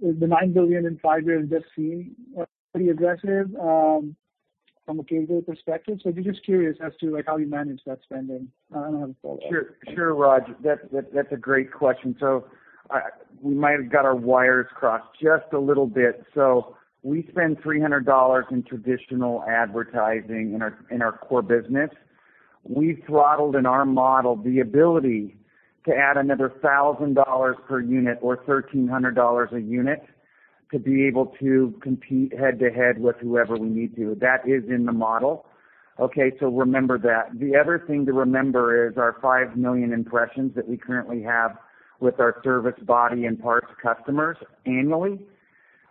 the $9 billion in five years just seem pretty aggressive from a scale perspective, so I'm just curious as to how you manage that spending. I don't have a follow-up. Sure, Rajat. That's a great question, so we might have got our wires crossed just a little bit, so we spend $300 in traditional advertising in our Core business. We've throttled in our model the ability to add another $1,000 per unit or $1,300 a unit to be able to compete head-to-head with whoever we need to. That is in the model. So remember that. The other thing to remember is our 5 million impressions that we currently have with our service body and parts customers annually.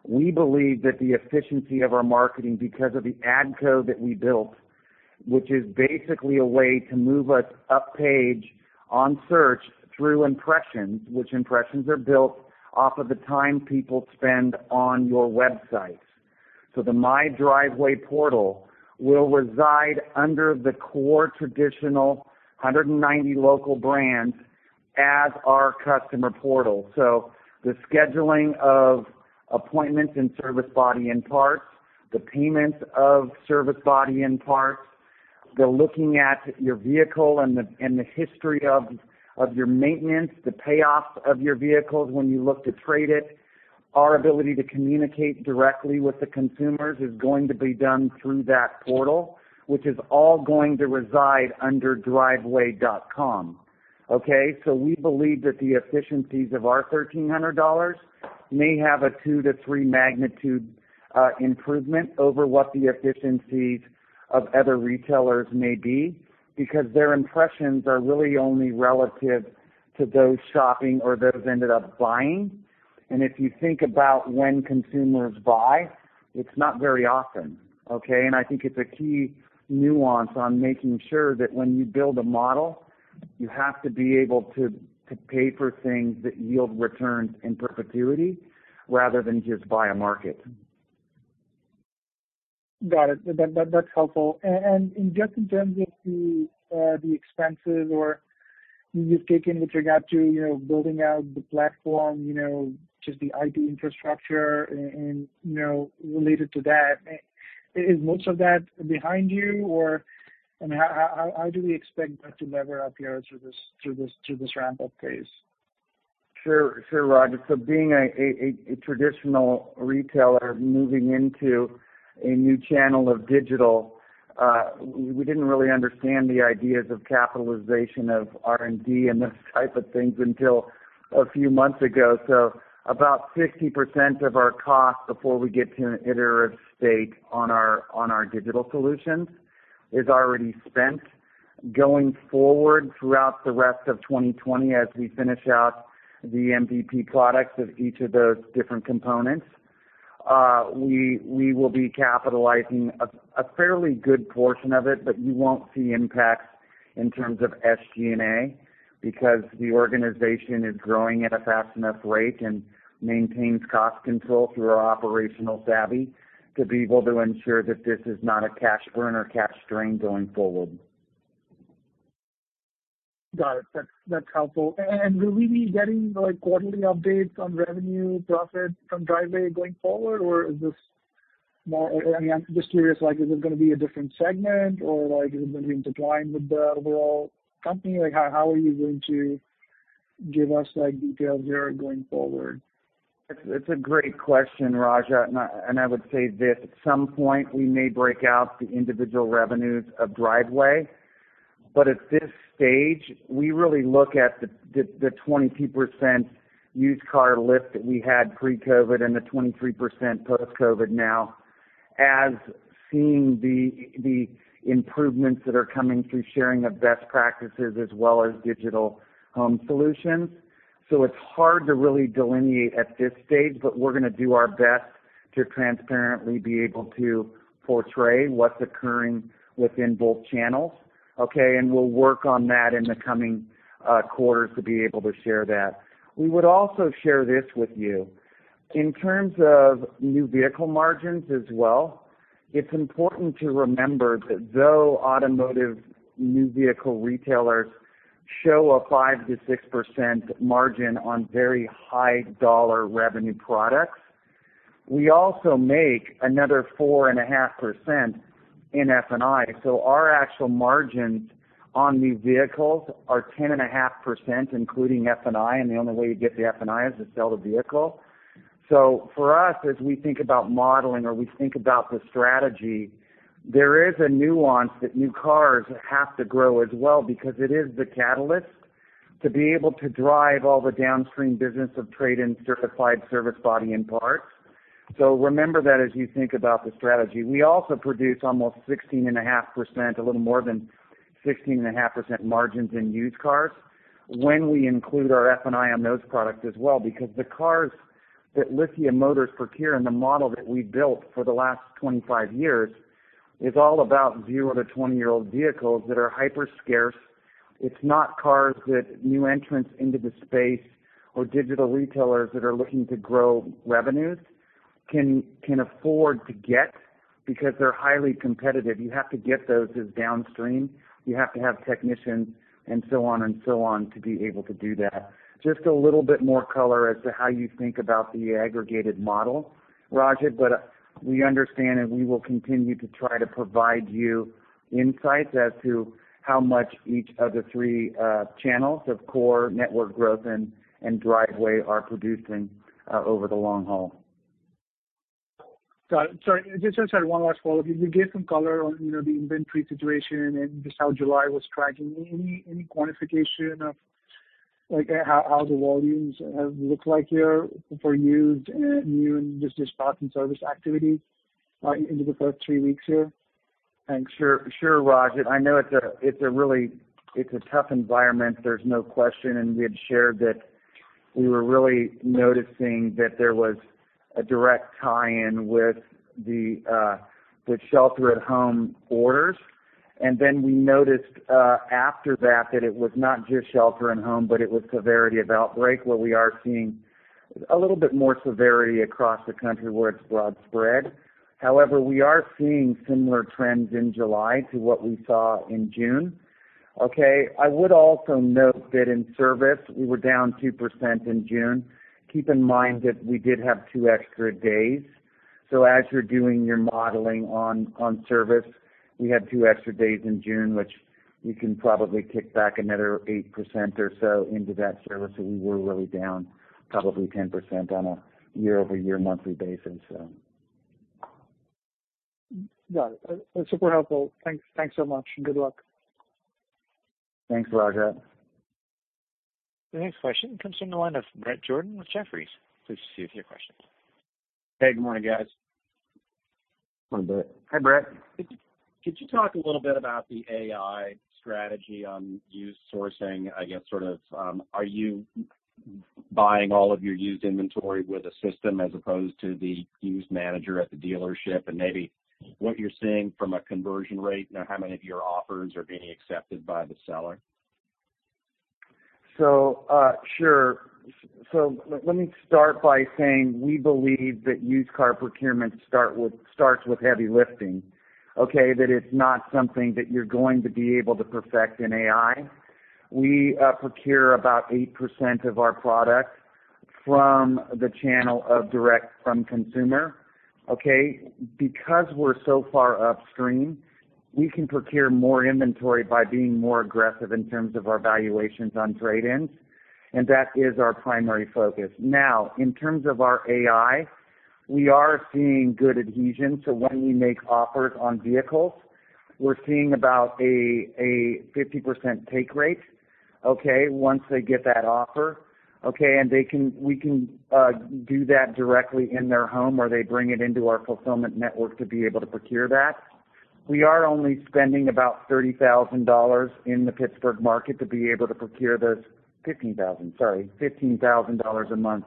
We believe that the efficiency of our marketing because of the ad code that we built, which is basically a way to move us up page on search through impressions, which impressions are built off of the time people spend on your websites. So the My Driveway portal will reside under the core traditional 190 local brands as our customer portal. So the scheduling of appointments and service body and parts, the payments of service body and parts, the looking at your vehicle and the history of your maintenance, the payoff of your vehicles when you look to trade it, our ability to communicate directly with the consumers is going to be done through that portal, which is all going to reside under Driveway.com. So we believe that the efficiencies of our $1,300 may have a two to three magnitude improvement over what the efficiencies of other retailers may be because their impressions are really only relative to those shopping or those ended up buying. And if you think about when consumers buy, it's not very often. I think it's a key nuance on making sure that when you build a model, you have to be able to pay for things that yield returns in perpetuity rather than just buy a market. Got it. That's helpful. And just in terms of the expenses or you've taken with regard to building out the platform, just the IT infrastructure and related to that, is most of that behind you? And how do we expect that to lever up here through this ramp-up phase? Sure, Rajat. So being a traditional retailer moving into a new channel of digital, we didn't really understand the ideas of capitalization of R&D and those type of things until a few months ago. So about 50% of our cost before we get to iterative state on our digital solutions is already spent. Going forward throughout the rest of 2020, as we finish out the MVP products of each of those different components, we will be capitalizing a fairly good portion of it, but you won't see impacts in terms of SG&A because the organization is growing at a fast enough rate and maintains cost control through our operational savvy to be able to ensure that this is not a cash burn or cash drain going forward. Got it. That's helpful. And will we be getting quarterly updates on revenue, profit from Driveway going forward, or is this more I mean, I'm just curious, is it going to be a different segment, or is it going to be intertwined with the overall company? How are you going to give us details here going forward? It's a great question, Rajat. And I would say this. At some point, we may break out the individual revenues of Driveway. But at this stage, we really look at the 22% used car lift that we had pre-COVID and the 23% post-COVID now as seeing the improvements that are coming through sharing of best practices as well as digital home solutions. So it's hard to really delineate at this stage, but we're going to do our best to transparently be able to portray what's occurring within both channels. And we'll work on that in the coming quarters to be able to share that. We would also share this with you. In terms of new vehicle margins as well, it's important to remember that though automotive new vehicle retailers show a 5%-6% margin on very high-dollar revenue products, we also make another 4.5% in F&I. So our actual margins on new vehicles are 10.5%, including F&I. And the only way you get the F&I is to sell the vehicle. So for us, as we think about modeling or we think about the strategy, there is a nuance that new cars have to grow as well because it is the catalyst to be able to drive all the downstream business of trade-in certified, service, body and parts. So remember that as you think about the strategy. We also produce almost 16.5%, a little more than 16.5% margins in used cars when we include our F&I on those products as well because the cars that Lithia Motors procure and the model that we've built for the last 25 years is all about 0 to 20-year-old vehicles that are hyper-scarce. It's not cars that new entrants into the space or digital retailers that are looking to grow revenues can afford to get because they're highly competitive. You have to get those as downstream. You have to have technicians and so on and so on to be able to do that. Just a little bit more color as to how you think about the aggregated model, Rajat, but we understand and we will continue to try to provide you insights as to how much each of the three channels of Core Network growth and Driveway are producing over the long haul. Got it. Sorry. Just to share one last follow-up. You gave some color on the inventory situation and just how July was tracking. Any quantification of how the volumes have looked like here for used and new and just parts and service activity into the first three weeks here? Thanks. Sure, Rajat. I know it's a really tough environment. There's no question. We had shared that we were really noticing that there was a direct tie-in with the shelter-at-home orders. Then we noticed after that that it was not just shelter-at-home, but it was severity of outbreak where we are seeing a little bit more severity across the country where it's broad spread. However, we are seeing similar trends in July to what we saw in June. I would also note that in service, we were down 2% in June. Keep in mind that we did have two extra days. As you're doing your modeling on service, we had two extra days in June, which you can probably kick back another 8% or so into that service. We were really down probably 10% on a year-over-year monthly basis, so. Got it. That's super helpful. Thanks so much. Good luck. Thanks, Rajat. The next question comes from the line of Bret Jordan with Jefferies. Please proceed with your questions. Hey, good morning, guys. Morning, Bret. Hey, Bret. Could you talk a little bit about the AI strategy on used sourcing, I guess? Are you buying all of your used inventory with a system as opposed to the used manager at the dealership? And maybe what you're seeing from a conversion rate, how many of your offers are being accepted by the seller? Sure. So let me start by saying we believe that used car procurement starts with heavy lifting, that it's not something that you're going to be able to perfect in AI. We procure about 8% of our product from the channel of direct from consumer. Because we're so far upstream, we can procure more inventory by being more aggressive in terms of our valuations on trade-ins. That is our primary focus. Now, in terms of our AI, we are seeing good adhesion. So when we make offers on vehicles, we're seeing about a 50% take rate once they get that offer. And we can do that directly in their home or they bring it into our fulfillment network to be able to procure that. We are only spending about $30,000 in the Pittsburgh market to be able to procure those, $15,000 a month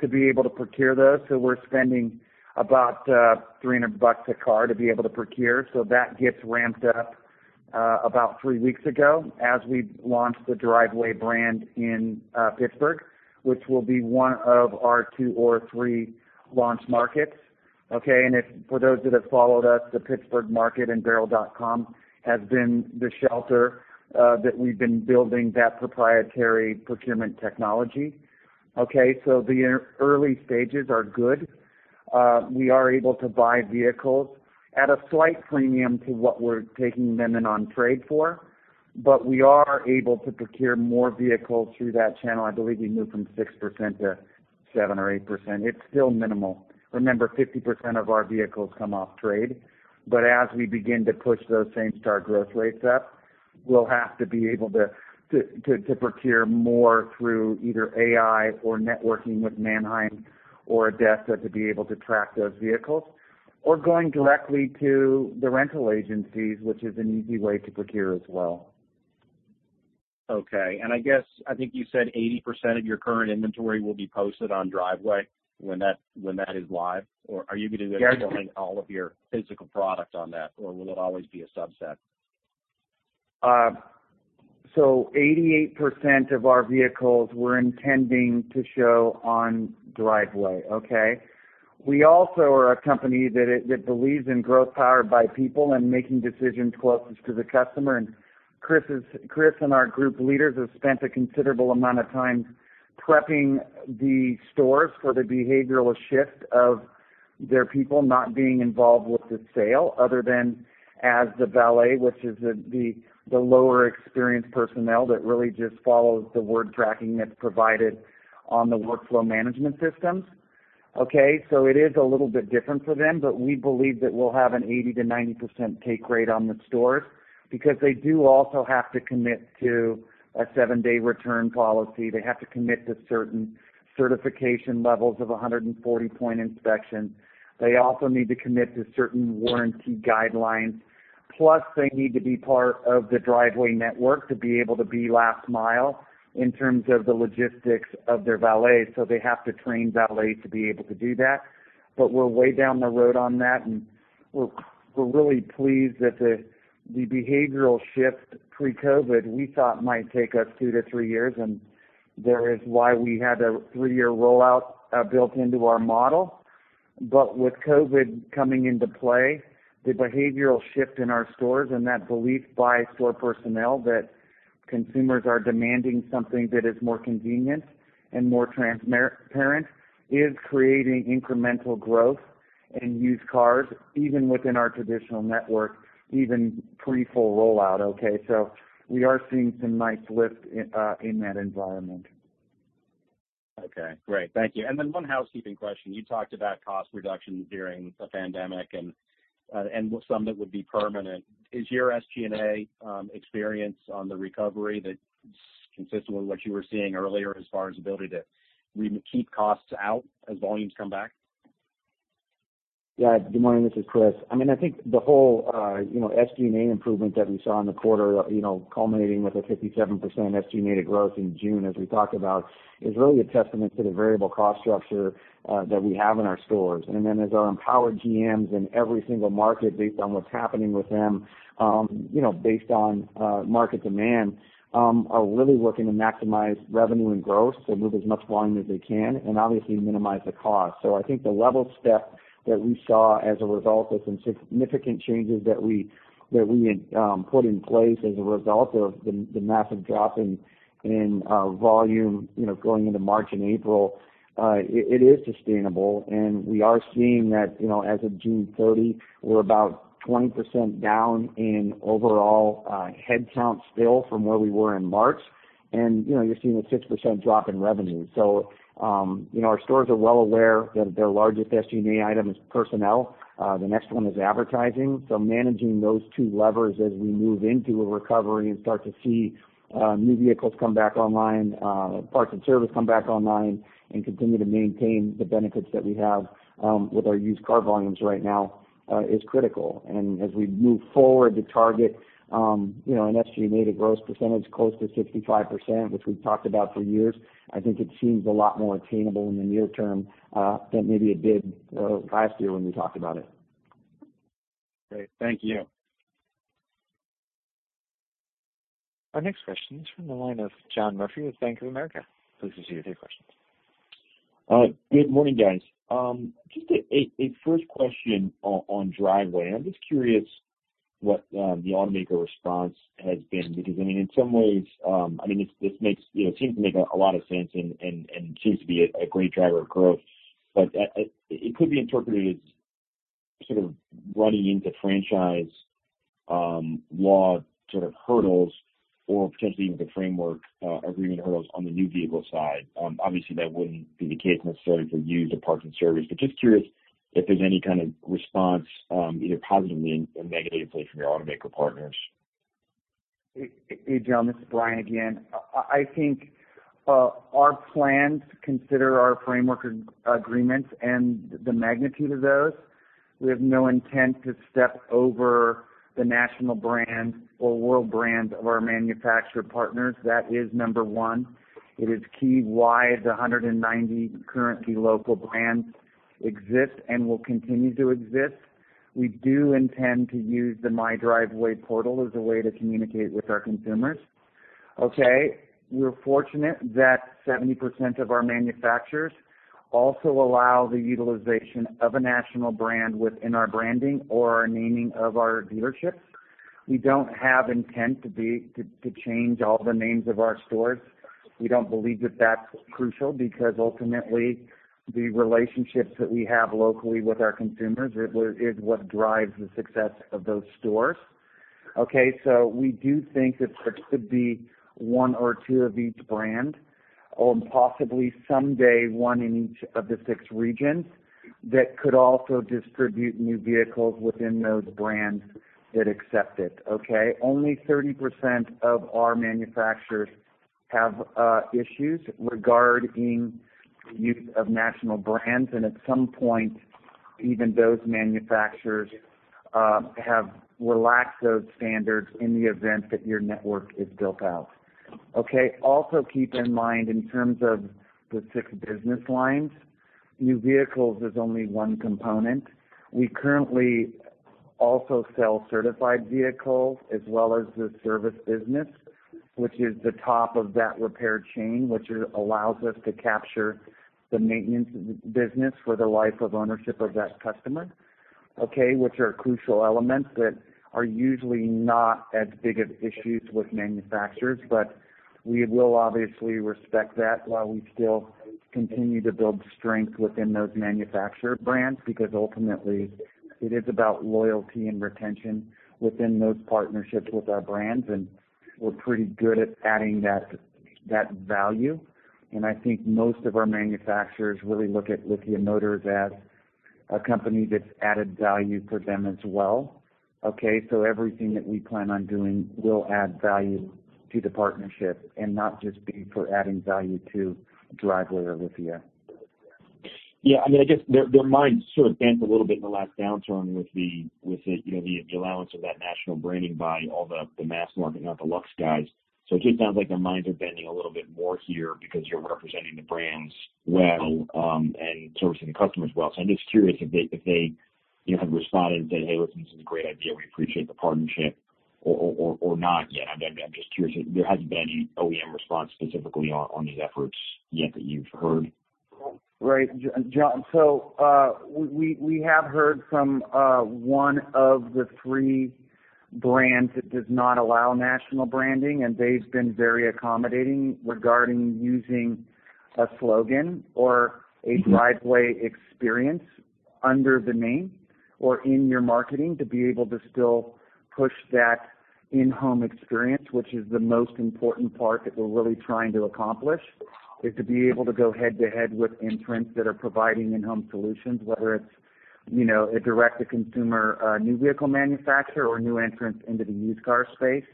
to be able to procure those. So we're spending about $300 a car to be able to procure. So that gets ramped up about three weeks ago as we launch the Driveway brand in Pittsburgh, which will be one of our two or three launch markets. And for those that have followed us, the Pittsburgh market and Driveway.com has been the shelter that we've been building that proprietary procurement technology. The early stages are good. We are able to buy vehicles at a slight premium to what we're taking them in on trade for. But we are able to procure more vehicles through that channel. I believe we moved from 6% to 7% or 8%. It's still minimal. Remember, 50% of our vehicles come off trade. But as we begin to push those same-store growth rates up, we'll have to be able to procure more through either AI or networking with Manheim or ADESA to be able to track those vehicles or going directly to the rental agencies, which is an easy way to procure as well. Okay. And I think you said 80% of your current inventory will be posted on Driveway when that is live. Or are you going to be showing all of your physical product on that, or will it always be a subset? So 88% of our vehicles we're intending to show on Driveway. We also are a company that believes in growth powered by people and making decisions closest to the customer. And Chris and our group leaders have spent a considerable amount of time prepping the stores for the behavioral shift of their people not being involved with the sale other than as the valet, which is the lower experienced personnel that really just follows the work tracking that's provided on the workflow management systems. So it is a little bit different for them, but we believe that we'll have an 80%-90% take rate on the stores because they do also have to commit to a seven-day return policy. They have to commit to certain certification levels of 140-point inspection. They also need to commit to certain warranty guidelines. Plus, they need to be part of the Driveway network to be able to be last mile in terms of the logistics of their valet. So they have to train valet to be able to do that. But we're way down the road on that. And we're really pleased that the behavioral shift pre-COVID, we thought might take us two to three years. And that is why we had a three-year rollout built into our model. But with COVID coming into play, the behavioral shift in our stores and that belief by store personnel that consumers are demanding something that is more convenient and more transparent is creating incremental growth in used cars, even within our traditional network, even pre-full rollout. So we are seeing some nice lift in that environment. Okay. Great. Thank you. And then one housekeeping question. You talked about cost reduction during the pandemic and some that would be permanent. Is your SG&A experience on the recovery consistent with what you were seeing earlier as far as ability to keep costs out as volumes come back? Yeah. Good morning. This is Chris. I mean, I think the whole SG&A improvement that we saw in the quarter, culminating with a 57% SG&A growth in June as we talked about, is really a testament to the variable cost structure that we have in our stores. And then as our Empowered GMs in every single market, based on what's happening with them, based on market demand, are really working to maximize revenue and growth to move as much volume as they can and obviously minimize the cost. So I think the level step that we saw as a result of some significant changes that we put in place as a result of the massive drop in volume going into March and April, it is sustainable. And we are seeing that as of June 30, we're about 20% down in overall headcount still from where we were in March. And you're seeing a 6% drop in revenue. So our stores are well aware that their largest SG&A item is personnel. The next one is advertising. So managing those two levers as we move into a recovery and start to see new vehicles come back online, parts and service come back online, and continue to maintain the benefits that we have with our used car volumes right now is critical. And as we move forward to target an SG&A growth percentage close to 65%, which we've talked about for years, I think it seems a lot more attainable in the near term than maybe it did last year when we talked about it. Great. Thank you. Our next question is from the line of John Murphy with Bank of America. Please proceed with your questions. Good morning, guys. Just a first question on Driveway. I'm just curious what the automaker response has been because, I mean, in some ways, I mean, this seems to make a lot of sense and seems to be a great driver of growth. But it could be interpreted as sort of running into franchise law sort of hurdles or potentially even the framework agreement hurdles on the new vehicle side. Obviously, that wouldn't be the case necessarily for used or parts and service. But just curious if there's any kind of response, either positively or negatively, from your automaker partners. Hey, John. This is Bryan again. I think our plans consider our framework agreements and the magnitude of those. We have no intent to step over the national brand or world brand of our manufacturer partners. That is number one. It is key why the 190 currently local brands exist and will continue to exist. We do intend to use the My Driveway portal as a way to communicate with our consumers. We're fortunate that 70% of our manufacturers also allow the utilization of a national brand within our branding or our naming of our dealerships. We don't have intent to change all the names of our stores. We don't believe that that's crucial because, ultimately, the relationships that we have locally with our consumers is what drives the success of those stores. So we do think that there could be one or two of each brand or possibly someday one in each of the six regions that could also distribute new vehicles within those brands that accept it. Only 30% of our manufacturers have issues regarding use of national brands. And at some point, even those manufacturers have relaxed those standards in the event that your network is built out. Also keep in mind, in terms of the six business lines, new vehicles is only one component. We currently also sell certified vehicles as well as the service business, which is the top of that repair chain, which allows us to capture the maintenance business for the life of ownership of that customer, which are crucial elements that are usually not as big of issues with manufacturers. But we will obviously respect that while we still continue to build strength within those manufacturer brands because, ultimately, it is about loyalty and retention within those partnerships with our brands. And we're pretty good at adding that value. And I think most of our manufacturers really look at Lithia Motors as a company that's added value for them as well. So everything that we plan on doing will add value to the partnership and not just be for adding value to Driveway or Lithia. Yeah. I mean, I guess their minds sort of bent a little bit in the last downturn with the allowance of that national branding by all the mass market, not the lux guys. So it just sounds like their minds are bending a little bit more here because you're representing the brands well and servicing the customers well. So I'm just curious if they have responded and said, "Hey, listen, this is a great idea. We appreciate the partnership," or not yet. I'm just curious. There hasn't been any OEM response specifically on these efforts yet that you've heard. Right. John, so we have heard from one of the three brands that does not allow national branding. And they've been very accommodating regarding using a slogan or a Driveway experience under the name or in your marketing to be able to still push that in-home experience, which is the most important part that we're really trying to accomplish, is to be able to go head-to-head with entrants that are providing in-home solutions, whether it's a direct-to-consumer new vehicle manufacturer or new entrants into the used car space.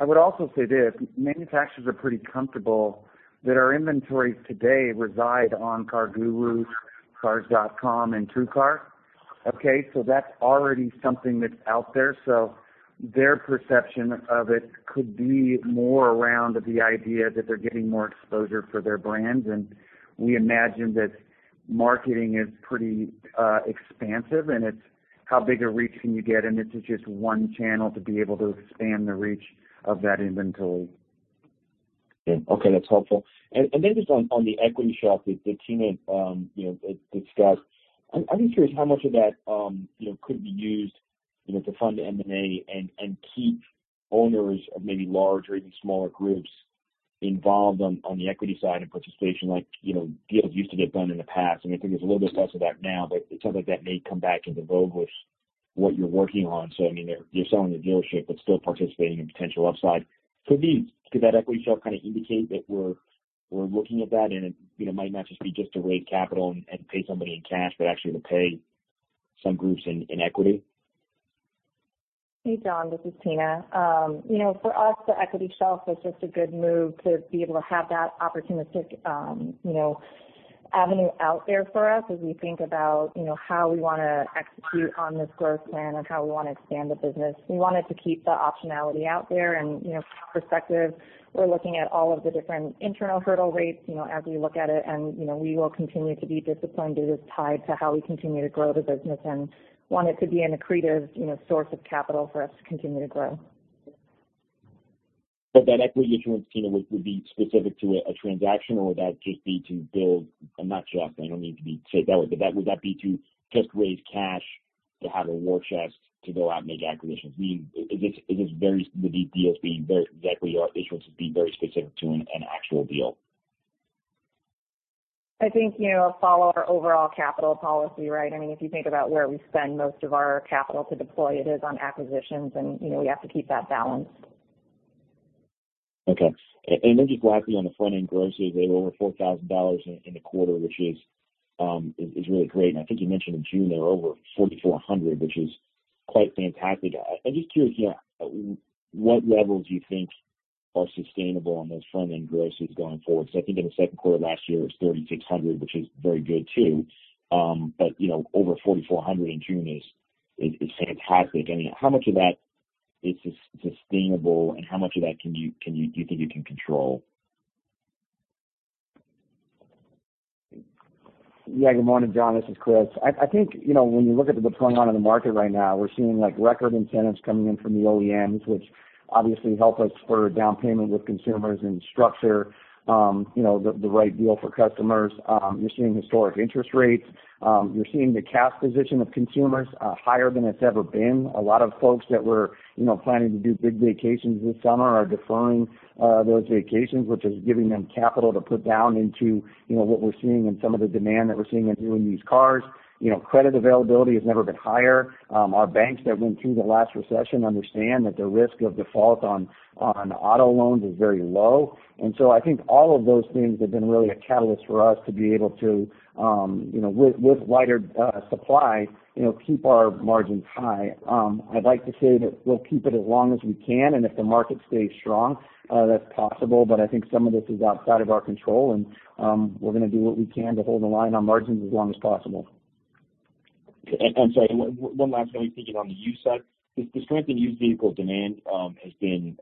I would also say this. Manufacturers are pretty comfortable that our inventories today reside on CarGurus, Cars.com, and TrueCar. So that's already something that's out there. So their perception of it could be more around the idea that they're getting more exposure for their brands. And we imagine that marketing is pretty expansive. And it's how big a reach can you get? And it's just one channel to be able to expand the reach of that inventory. Okay. That's helpful. And then just on the equity shelf that Tina discussed, I'm just curious how much of that could be used to fund the M&A and keep owners of maybe larger and smaller groups involved on the equity side and participation like deals used to get done in the past. And I think there's a little bit less of that now. But it sounds like that may come back into vogue with what you're working on. So I mean, you're selling the dealership, but still participating in potential upside. Could that equity shelf kind of indicate that we're looking at that? And it might not just be to raise capital and pay somebody in cash, but actually to pay some groups in equity. Hey, John. This is Tina. For us, the equity shelf was just a good move to be able to have that opportunistic avenue out there for us as we think about how we want to execute on this growth plan and how we want to expand the business. We wanted to keep the optionality out there. And from our perspective, we're looking at all of the different internal hurdle rates as we look at it. And we will continue to be disciplined to this tied to how we continue to grow the business and want it to be an accretive source of capital for us to continue to grow. But that equity issuance would be specific to a transaction, or would that just be to build a? [AUDIO DISTORTION] I don't mean to say it that way. But would that be to just raise cash to have a war chest to go out and make acquisitions? Is the equity issuance very specific to an actual deal? I think we follow our overall capital policy, right? I mean, if you think about where we spend most of our capital to deploy, it is on acquisitions. And we have to keep that balance. Okay. And then just lastly, on the front-end grosses, they were over $4,000 in the quarter, which is really great. And I think you mentioned in June they were over $4,400, which is quite fantastic. I'm just curious, what levels do you think are sustainable on those front-end grosses going forward? I think in the second quarter last year, it was 3,600, which is very good too. But over 4,400 in June is fantastic. I mean, how much of that is sustainable, and how much of that do you think you can control? Yeah. Good morning, John. This is Chris. I think when you look at what's going on in the market right now, we're seeing record incentives coming in from the OEMs, which obviously help us for down payment with consumers and structure the right deal for customers. You're seeing historic interest rates. You're seeing the cash position of consumers higher than it's ever been. A lot of folks that were planning to do big vacations this summer are deferring those vacations, which is giving them capital to put down into what we're seeing and some of the demand that we're seeing in new and used cars. Credit availability has never been higher. Our banks that went through the last recession understand that the risk of default on auto loans is very low. And so I think all of those things have been really a catalyst for us to be able to, with wider supply, keep our margins high. I'd like to say that we'll keep it as long as we can. And if the market stays strong, that's possible. But I think some of this is outside of our control. And we're going to do what we can to hold the line on margins as long as possible. I'm sorry. One last thing. I was thinking on the used side. The strength in used vehicle demand has been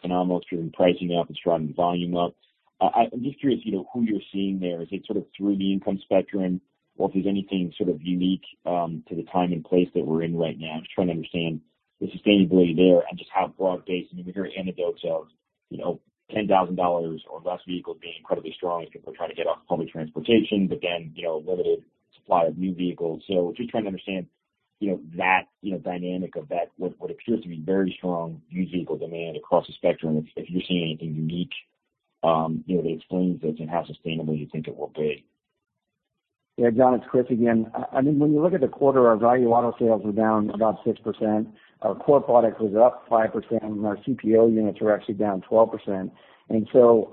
phenomenal through pricing up and driving volume up. I'm just curious who you're seeing there. Is it sort of through the income spectrum? Or if there's anything sort of unique to the time and place that we're in right now, just trying to understand the sustainability there and just how broad-based. I mean, we hear anecdotes of $10,000 or less vehicles being incredibly strong if people are trying to get off public transportation, but then limited supply of new vehicles. So just trying to understand that dynamic of what appears to be very strong used vehicle demand across the spectrum. If you're seeing anything unique that explains this and how sustainable you think it will be. Yeah. John, it's Chris again. I mean, when you look at the quarter, our Value Auto sales were down about 6%. Our Core product was up 5%. Our CPO units were actually down 12%. And so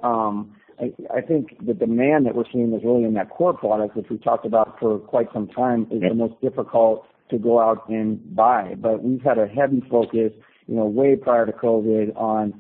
I think the demand that we're seeing is really in that Core Product, which we've talked about for quite some time, is the most difficult to go out and buy. But we've had a heavy focus way prior to COVID on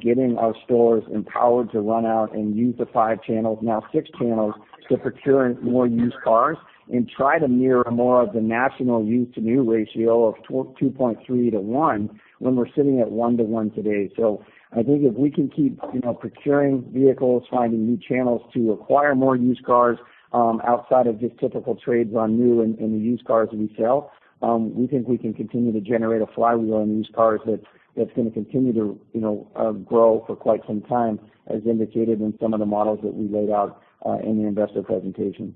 getting our stores empowered to run out and use the five channels, now six channels to procure more used cars and try to mirror more of the national used-to-new ratio of 2.3 to 1 when we're sitting at 1 to 1 today. So I think if we can keep procuring vehicles, finding new channels to acquire more used cars outside of just typical trades on new and the used cars we sell, we think we can continue to generate a flywheel on used cars that's going to continue to grow for quite some time, as indicated in some of the models that we laid out in the investor presentation.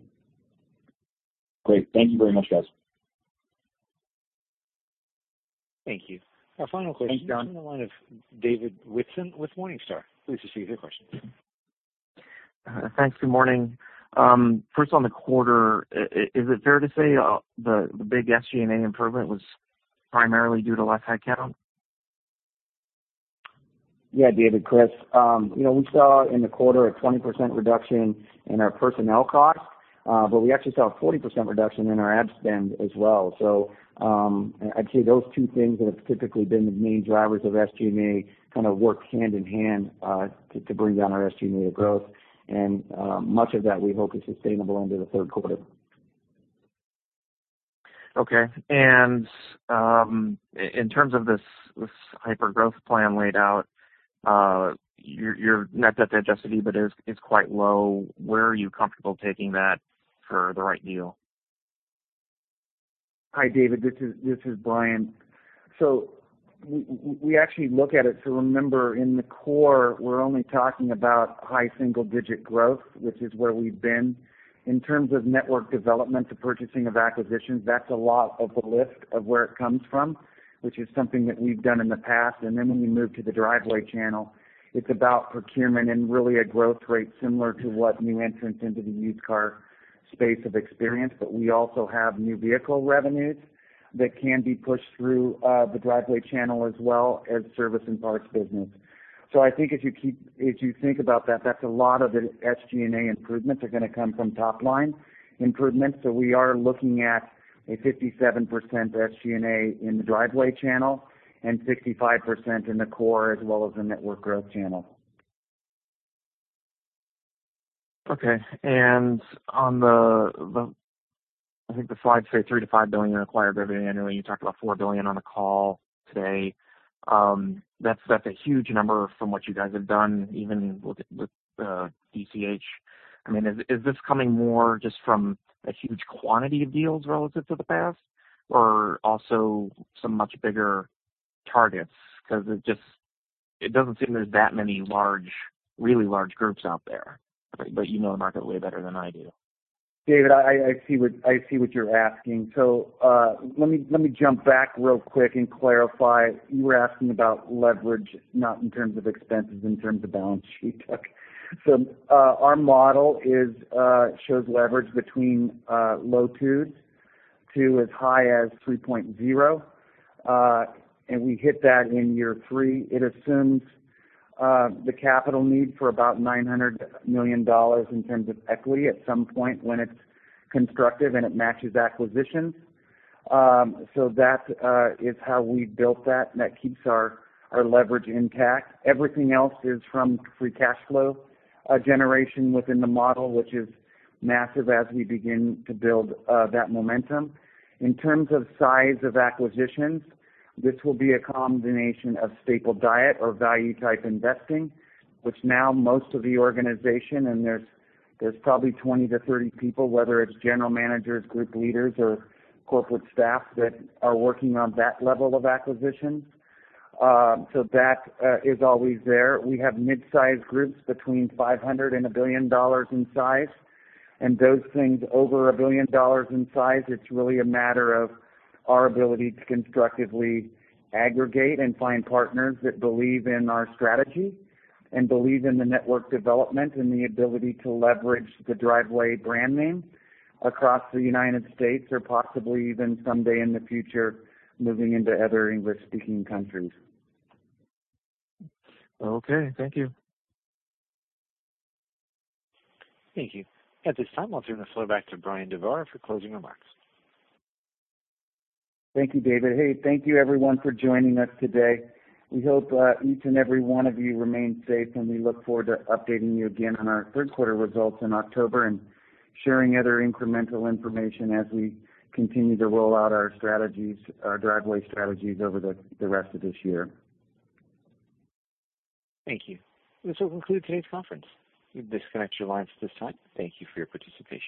Great. Thank you very much, guys. Thank you. Our final question is from the line of David Whitson with Morningstar. Please proceed with your question. Thanks. Good morning. First, on the quarter, is it fair to say the big SG&A improvement was primarily due to less headcount? Yeah, David, Chris. We saw in the quarter a 20% reduction in our personnel cost. But we actually saw a 40% reduction in our ad spend as well. So I'd say those two things that have typically been the main drivers of SG&A kind of work hand in hand to bring down our SG&A growth. And much of that, we hope, is sustainable into the third quarter. Okay. And in terms of this hyper-growth plan laid out, your net debt-to-adjusted EBITDA is quite low. Where are you comfortable taking that for the right deal? Hi, David. This is Bryan. So we actually look at it. So remember, in the Core, we're only talking about high single-digit growth, which is where we've been. In terms of network development, the purchasing of acquisitions, that's a lot of the lift of where it comes from, which is something that we've done in the past. And then when you move to the Driveway channel, it's about procurement and really a growth rate similar to what new entrants into the used car space have experienced. But we also have new vehicle revenues that can be pushed through the Driveway channel as well as service and parts business. So I think if you think about that, that's a lot of the SG&A improvements are going to come from top-line improvements. So we are looking at a 57% SG&A in the Driveway channel and 55% in the Core as well as the network growth channel. Okay. And on the, I think the slides say $3 billion-$5 billion acquired revenue annually. You talked about $4 billion on a call today. That's a huge number from what you guys have done, even with DCH. I mean, is this coming more just from a huge quantity of deals relative to the past or also some much bigger targets? Because it doesn't seem there's that many really large groups out there. But you know the market way better than I do. David, I see what you're asking. So let me jump back real quick and clarify. You were asking about leverage, not in terms of expenses, in terms of balance sheet. So our model shows leverage between low twos to as high as 3.0. And we hit that in year three. It assumes the capital need for about $900 million in terms of equity at some point when it's constructive and it matches acquisitions. So that is how we built that. And that keeps our leverage intact. Everything else is from free cash flow generation within the model, which is massive as we begin to build that momentum. In terms of size of acquisitions, this will be a combination of staple diet or value-type investing, which now most of the organization, and there's probably 20 to 30 people, whether it's general managers, group leaders, or corporate staff, that are working on that level of acquisition. So that is always there. We have mid-sized groups between $500 million and $1 billion in size. And those things over $1 billion in size, it's really a matter of our ability to constructively aggregate and find partners that believe in our strategy and believe in the network development and the ability to leverage the Driveway brand name across the United States or possibly even someday in the future moving into other English-speaking countries. Okay. Thank you. Thank you. At this time, I'll turn the floor back to Bryan DeBoer for closing remarks. Thank you, David. Hey, thank you, everyone, for joining us today. We hope each and every one of you remain safe, and we look forward to updating you again on our third quarter results in October and sharing other incremental information as we continue to roll out our strategies, our Driveway strategies over the rest of this year. Thank you. This will conclude today's conference. We've disconnected your lines at this time. Thank you for your participation.